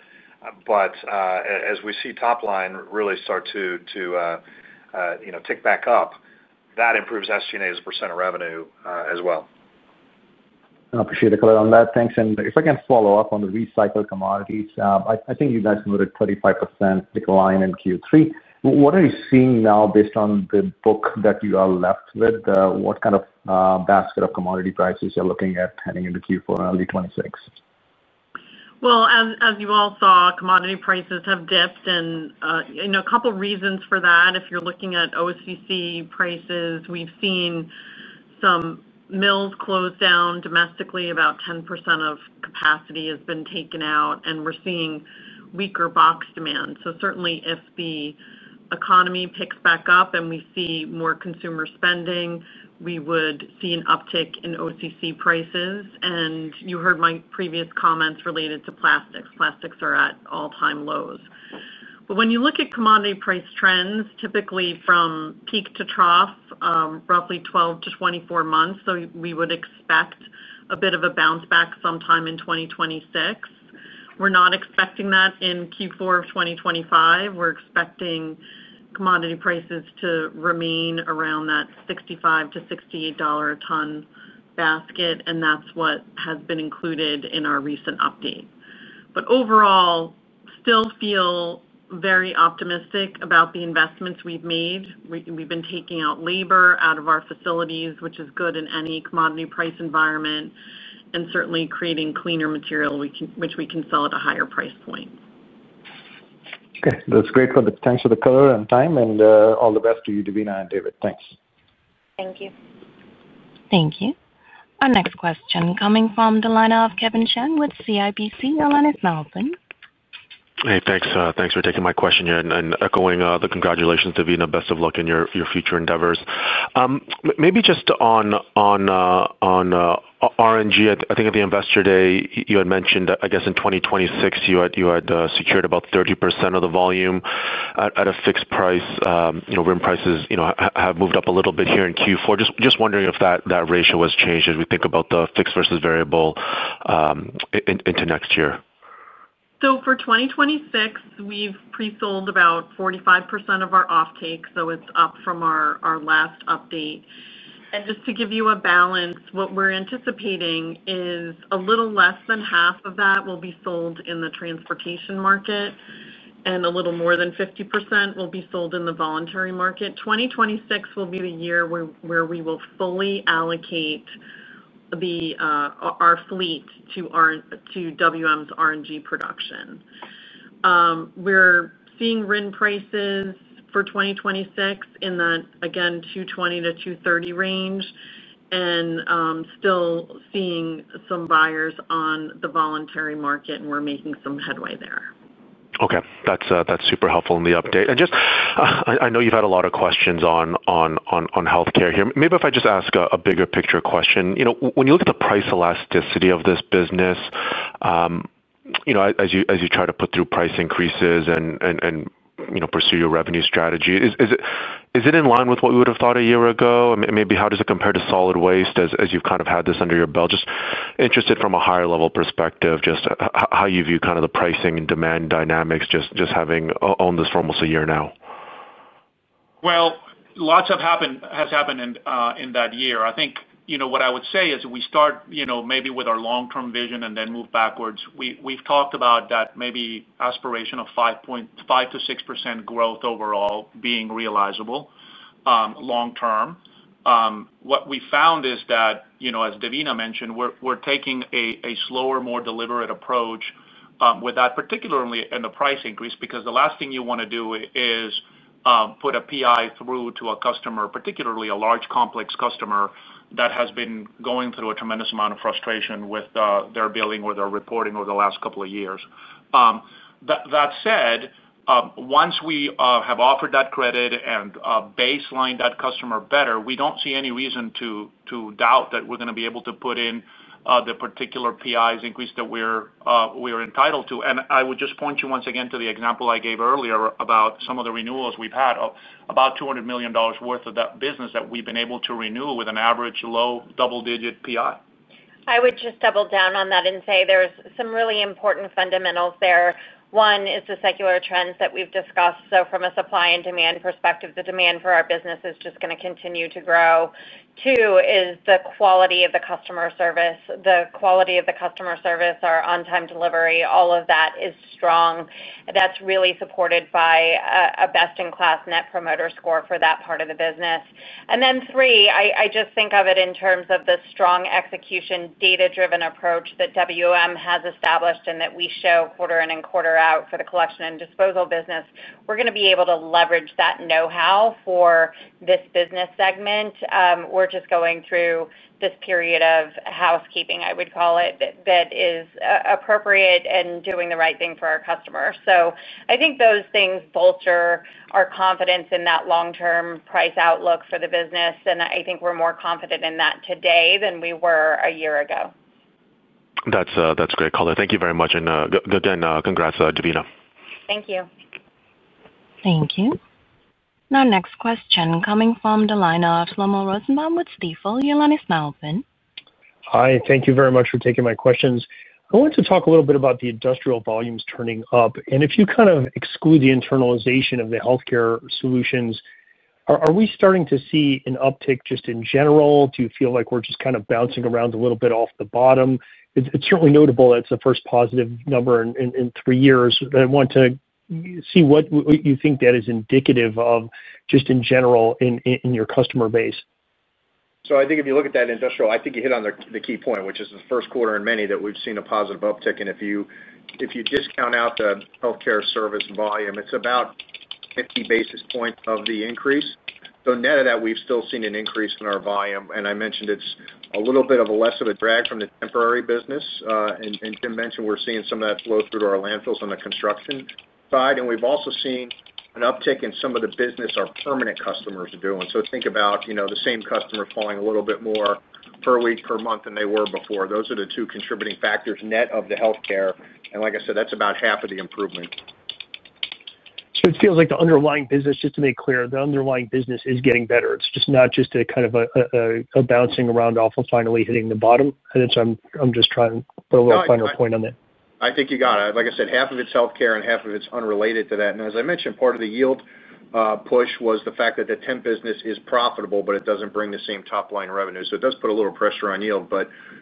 As we see top line really start to tick back up, that improves SG&A's % of revenue as well. I appreciate the comment on that. Thanks. If I can follow up on the recycled commodities, I think you guys noted a 35% decline in Q3. What are you seeing now based on the book that you are left with? What kind of basket of commodity prices are you looking at heading into Q4 and early 2026? As you all saw, commodity prices have dipped. There are a couple of reasons for that. If you're looking at OCC prices, we've seen some mills close down domestically. About 10% of capacity has been taken out, and we're seeing weaker box demand. If the economy picks back up and we see more consumer spending, we would see an uptick in OCC prices. You heard my previous comments related to plastics. Plastics are at all-time lows. When you look at commodity price trends, typically from peak to trough, it's roughly 12 to 24 months. We would expect a bit of a bounce back sometime in 2026. We're not expecting that in Q4 of 2025. We're expecting commodity prices to remain around that $65 to $68 a ton basket, and that's what has been included in our recent update. Overall, we still feel very optimistic about the investments we've made. We've been taking out labor out of our facilities, which is good in any commodity price environment, and certainly creating cleaner material, which we can sell at a higher price point. Okay, that's great for the potential of the color and time. All the best to you, Devina and David. Thanks. Thank you. Thank you. Our next question coming from the line of Kevin Chiang with CIBC. You'll let us know open. Hey, thanks. Thanks for taking my question here and echoing the congratulations, Devina. Best of luck in your future endeavors. Maybe just on RNG, I think at the investor day, you had mentioned, I guess in 2026, you had secured about 30% of the volume at a fixed price. You know, RIN prices, you know, have moved up a little bit here in Q4. Just wondering if that ratio has changed as we think about the fixed versus variable into next year. For 2026, we've pre-sold about 45% of our offtake. It's up from our last update. To give you a balance, what we're anticipating is a little less than half of that will be sold in the transportation market, and a little more than 50% will be sold in the voluntary market. 2026 will be the year where we will fully allocate our fleet to WM's RNG production. We're seeing RIN prices for 2026 in the $2.20-$2.30 range, and still seeing some buyers on the voluntary market. We're making some headway there. Okay. That's super helpful in the update. I know you've had a lot of questions on healthcare here. Maybe if I just ask a bigger picture question. You know, when you look at the price elasticity of this business, as you try to put through price increases and pursue your revenue strategy, is it in line with what we would have thought a year ago? I mean, maybe how does it compare to solid waste as you've kind of had this under your belt? Just interested from a higher level perspective, how you view kind of the pricing and demand dynamics, just having owned this for almost a year now. A lot has happened in that year. I think what I would say is we start maybe with our long-term vision and then move backwards. We've talked about that maybe aspiration of 5.5%-6% growth overall being realizable long term. What we found is that, as Devina mentioned, we're taking a slower, more deliberate approach with that, particularly in the price increase, because the last thing you want to do is put a PI through to a customer, particularly a large, complex customer that has been going through a tremendous amount of frustration with their billing or their reporting over the last couple of years. That said, once we have offered that credit and baseline that customer better, we don't see any reason to doubt that we're going to be able to put in the particular PI's increase that we're entitled to. I would just point you once again to the example I gave earlier about some of the renewals we've had of about $200 million worth of that business that we've been able to renew with an average low double-digit PI. I would just double down on that and say there's some really important fundamentals there. One is the secular trends that we've discussed. From a supply and demand perspective, the demand for our business is just going to continue to grow. Two is the quality of the customer service. The quality of the customer service, our on-time delivery, all of that is strong. That's really supported by a best-in-class net promoter score for that part of the business. Three, I just think of it in terms of the strong execution data-driven approach that WM has established and that we show quarter in and quarter out for the collection and disposal business. We're going to be able to leverage that know-how for this business segment. We're just going through this period of housekeeping, I would call it, that is appropriate and doing the right thing for our customers. I think those things bolster our confidence in that long-term price outlook for the business. I think we're more confident in that today than we were a year ago. That's great color. Thank you very much, and congrats, Devina. Thank you. Thank you. Now, next question coming from the line of Shlomo Rosenbaum with Stifel, your line is now open. Hi. Thank you very much for taking my questions. I wanted to talk a little bit about the industrial volumes turning up. If you kind of exclude the internalization of the healthcare solutions, are we starting to see an uptick just in general? Do you feel like we're just kind of bouncing around a little bit off the bottom? It's certainly notable that it's the first positive number in three years. I want to see what you think that is indicative of just in general in your customer base. I think if you look at that industrial, you hit on the key point, which is the first quarter in many that we've seen a positive uptick. If you discount out the healthcare service volume, it's about 50 basis points of the increase. Net of that, we've still seen an increase in our volume. I mentioned it's a little bit less of a drag from the temporary business, and Tim mentioned we're seeing some of that flow through to our landfills on the construction side. We've also seen an uptick in some of the business our permanent customers are doing. Think about the same customers hauling a little bit more per week per month than they were before. Those are the two contributing factors net of the healthcare. Like I said, that's about half of the improvement. It feels like the underlying business, just to make clear, the underlying business is getting better. It's not just a kind of bouncing around off of finally hitting the bottom. I'm just trying to put a little finer point on that. Yeah, I think you got it. Like I said, half of it's healthcare and half of it's unrelated to that. As I mentioned, part of the yield push was the fact that the temp business is profitable, but it doesn't bring the same top line revenue. It does put a little pressure on yield.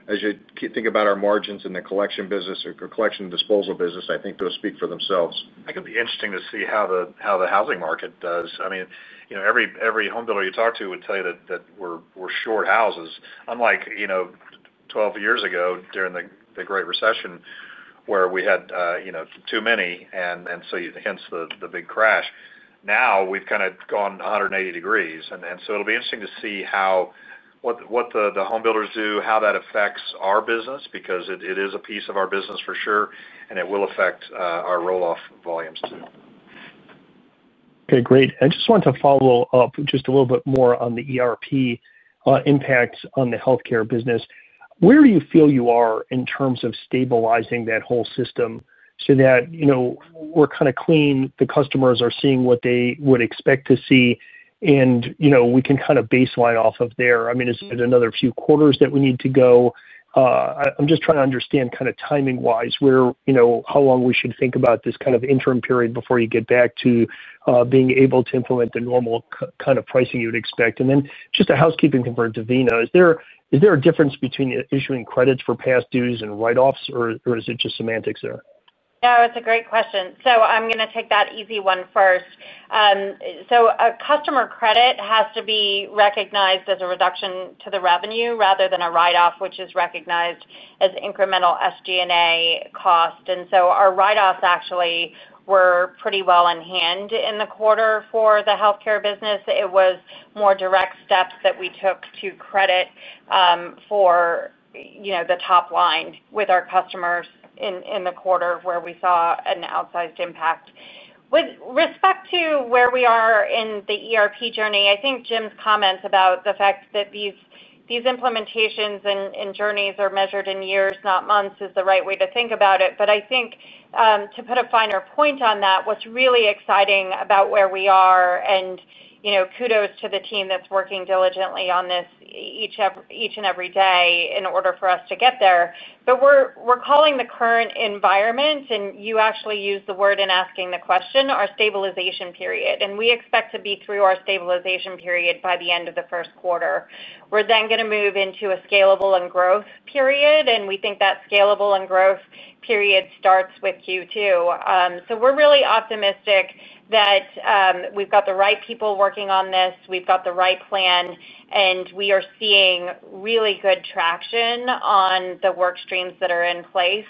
As you think about our margins in the collection and disposal business, I think those speak for themselves. I think it'll be interesting to see how the housing market does. I mean, every homebuilder you talk to would tell you that we're short houses, unlike twelve years ago during the Great Recession where we had too many, hence the big crash. Now we've kind of gone 180 degrees. It'll be interesting to see what the homebuilders do, how that affects our business because it is a piece of our business for sure, and it will affect our roll-off volumes too. Okay. Great. I just wanted to follow up just a little bit more on the ERP impacts on the healthcare business. Where do you feel you are in terms of stabilizing that whole system so that, you know, we're kind of clean, the customers are seeing what they would expect to see, and, you know, we can kind of baseline off of there? I mean, is it another few quarters that we need to go? I'm just trying to understand kind of timing-wise where, you know, how long we should think about this kind of interim period before you get back to being able to implement the normal kind of pricing you would expect. Just a housekeeping thing for Devina. Is there a difference between issuing credits for past dues and write-offs, or is it just semantics there? Yeah, that's a great question. I'm going to take that easy one first. A customer credit has to be recognized as a reduction to the revenue rather than a write-off, which is recognized as incremental SG&A cost. Our write-offs actually were pretty well in hand in the quarter for the healthcare business. It was more direct steps that we took to credit the top line with our customers in the quarter where we saw an outsized impact. With respect to where we are in the ERP journey, I think Jim's comments about the fact that these implementations and journeys are measured in years, not months, is the right way to think about it. To put a finer point on that, what's really exciting about where we are, kudos to the team that's working diligently on this each and every day in order for us to get there. We're calling the current environment, and you actually used the word in asking the question, our stabilization period. We expect to be through our stabilization period by the end of the first quarter. We're then going to move into a scalable and growth period, and we think that scalable and growth period starts with Q2. We're really optimistic that we've got the right people working on this. We've got the right plan, and we are seeing really good traction on the work streams that are in place.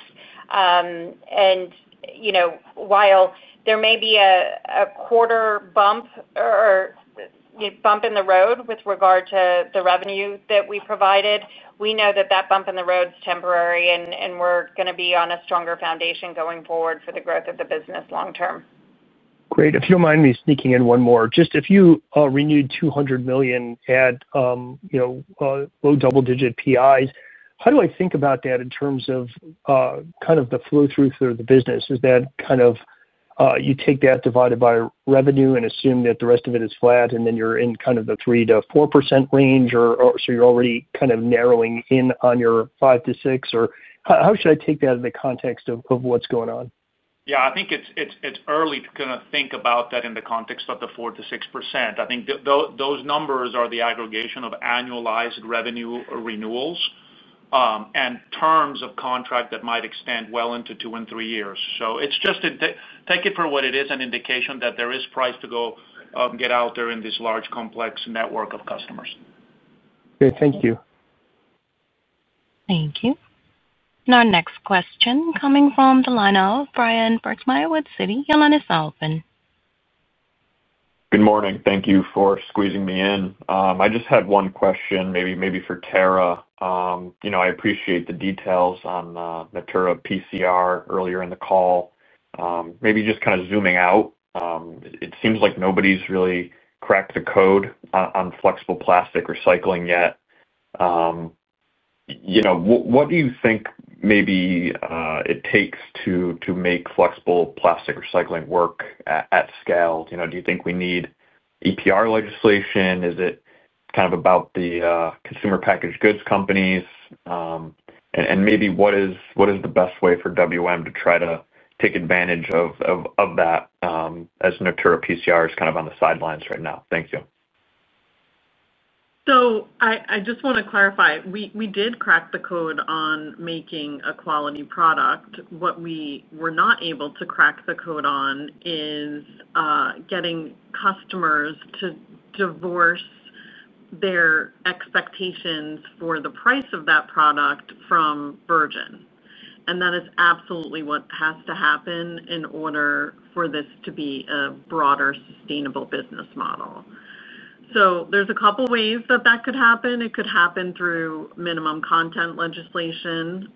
While there may be a quarter bump or bump in the road with regard to the revenue that we provided, we know that bump in the road's temporary, and we're going to be on a stronger foundation going forward for the growth of the business long term. Great. If you don't mind me sneaking in one more. If you renewed $200 million at, you know, low double-digit PIs, how do I think about that in terms of the flow through the business? Is that kind of, you take that divided by revenue and assume that the rest of it is flat, and then you're in kind of the 3%-4% range or so you're already kind of narrowing in on your 5%-6%? How should I take that in the context of what's going on? I think it's early to think about that in the context of the 4%-6%. I think those numbers are the aggregation of annualized revenue renewals, and terms of contract that might extend well into 2022 and 2023. It's just an indication that there is price to go get out there in this large, complex network of customers. Okay, thank you. Thank you. Now, next question coming from the line of Bryan Burgmeier with Citi. Johannes Salpen. Good morning. Thank you for squeezing me in. I just had one question, maybe for Tara. I appreciate the details on the Natura PCR earlier in the call. Maybe just kind of zooming out, it seems like nobody's really cracked the code on flexible plastic recycling yet. What do you think it takes to make flexible plastic recycling work at scale? Do you think we need EPR legislation? Is it kind of about the consumer packaged goods companies? What is the best way for WM to try to take advantage of that, as Natura PCR is kind of on the sidelines right now? Thank you. I just want to clarify. We did crack the code on making a quality product. What we were not able to crack the code on is getting customers to divorce their expectations for the price of that product from Virgin. That is absolutely what has to happen in order for this to be a broader sustainable business model. There are a couple ways that could happen. It could happen through minimum content legislation.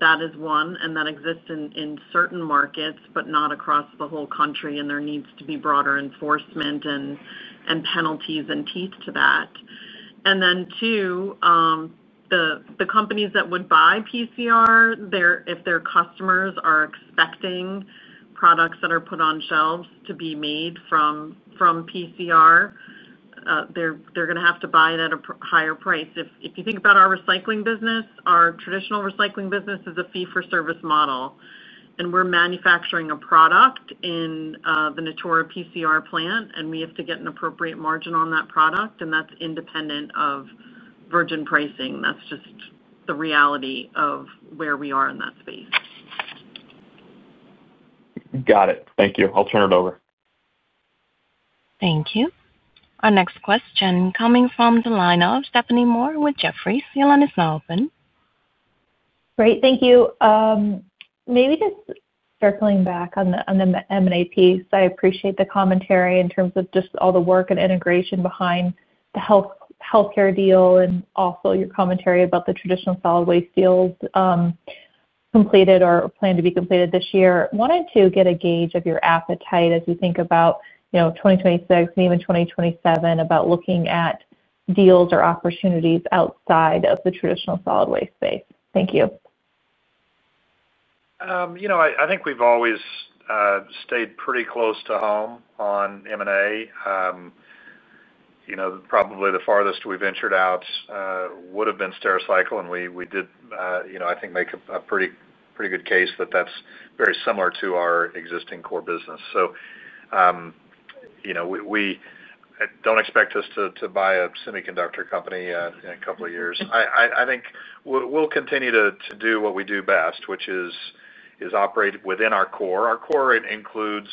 That is one, and that exists in certain markets but not across the whole country. There needs to be broader enforcement and penalties and teeth to that. Then, the companies that would buy PCR, if their customers are expecting products that are put on shelves to be made from PCR, they are going to have to buy it at a higher price. If you think about our recycling business, our traditional recycling business is a fee-for-service model. We are manufacturing a product in the Natura PCR plant, and we have to get an appropriate margin on that product. That is independent of Virgin pricing. That is just the reality of where we are in that space. Got it. Thank you. I'll turn it over. Thank you. Our next question coming from the line of Stephanie Moore with Jefferies. Johannes Malpin. Great. Thank you. Maybe just circling back on the M&A piece. I appreciate the commentary in terms of just all the work and integration behind the healthcare deal and also your commentary about the traditional solid waste deals, completed or planned to be completed this year. Wanted to get a gauge of your appetite as you think about, you know, 2026 and even 2027 about looking at deals or opportunities outside of the traditional solid waste space. Thank you. I think we've always stayed pretty close to home on M&A. Probably the farthest we ventured out would have been Stericycle, and we did make a pretty good case that that's very similar to our existing core business. We don't expect us to buy a semiconductor company in a couple of years. I think we'll continue to do what we do best, which is operate within our core. Our core includes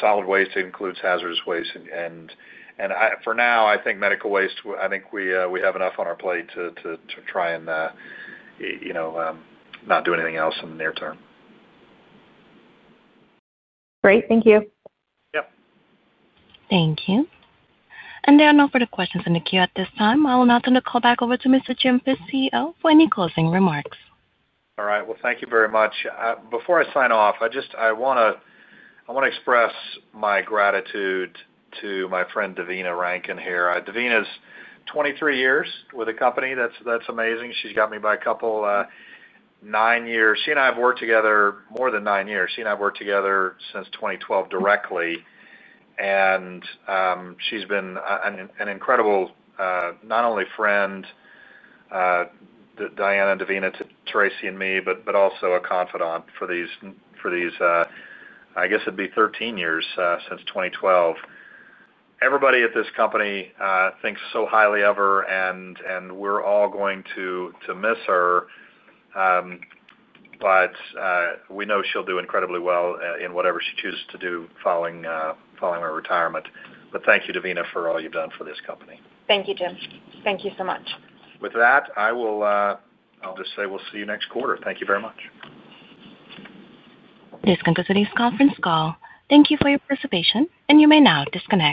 solid waste, hazardous waste, and for now, I think medical waste. I think we have enough on our plate to try and not do anything else in the near term. Great. Thank you. Yep. Thank you. There are no further questions in the queue at this time. I will now turn the call back over to Mr. Jim Fish, CEO, for any closing remarks. All right. Thank you very much. Before I sign off, I just want to express my gratitude to my friend Devina Rankin here. Devina's twenty-three years with the company, that's amazing. She's got me by a couple, nine years. She and I have worked together more than nine years. She and I have worked together since 2012 directly, and she's been an incredible, not only friend, Diana and Devina, Tracey and me, but also a confidant for these, I guess it'd be thirteen years, since 2012. Everybody at this company thinks so highly of her, and we're all going to miss her. We know she'll do incredibly well in whatever she chooses to do following her retirement. Thank you, Devina, for all you've done for this company. Thank you, Jim. Thank you so much. With that, I'll just say we'll see you next quarter. Thank you very much. This concludes today's conference call. Thank you for your participation. You may now disconnect.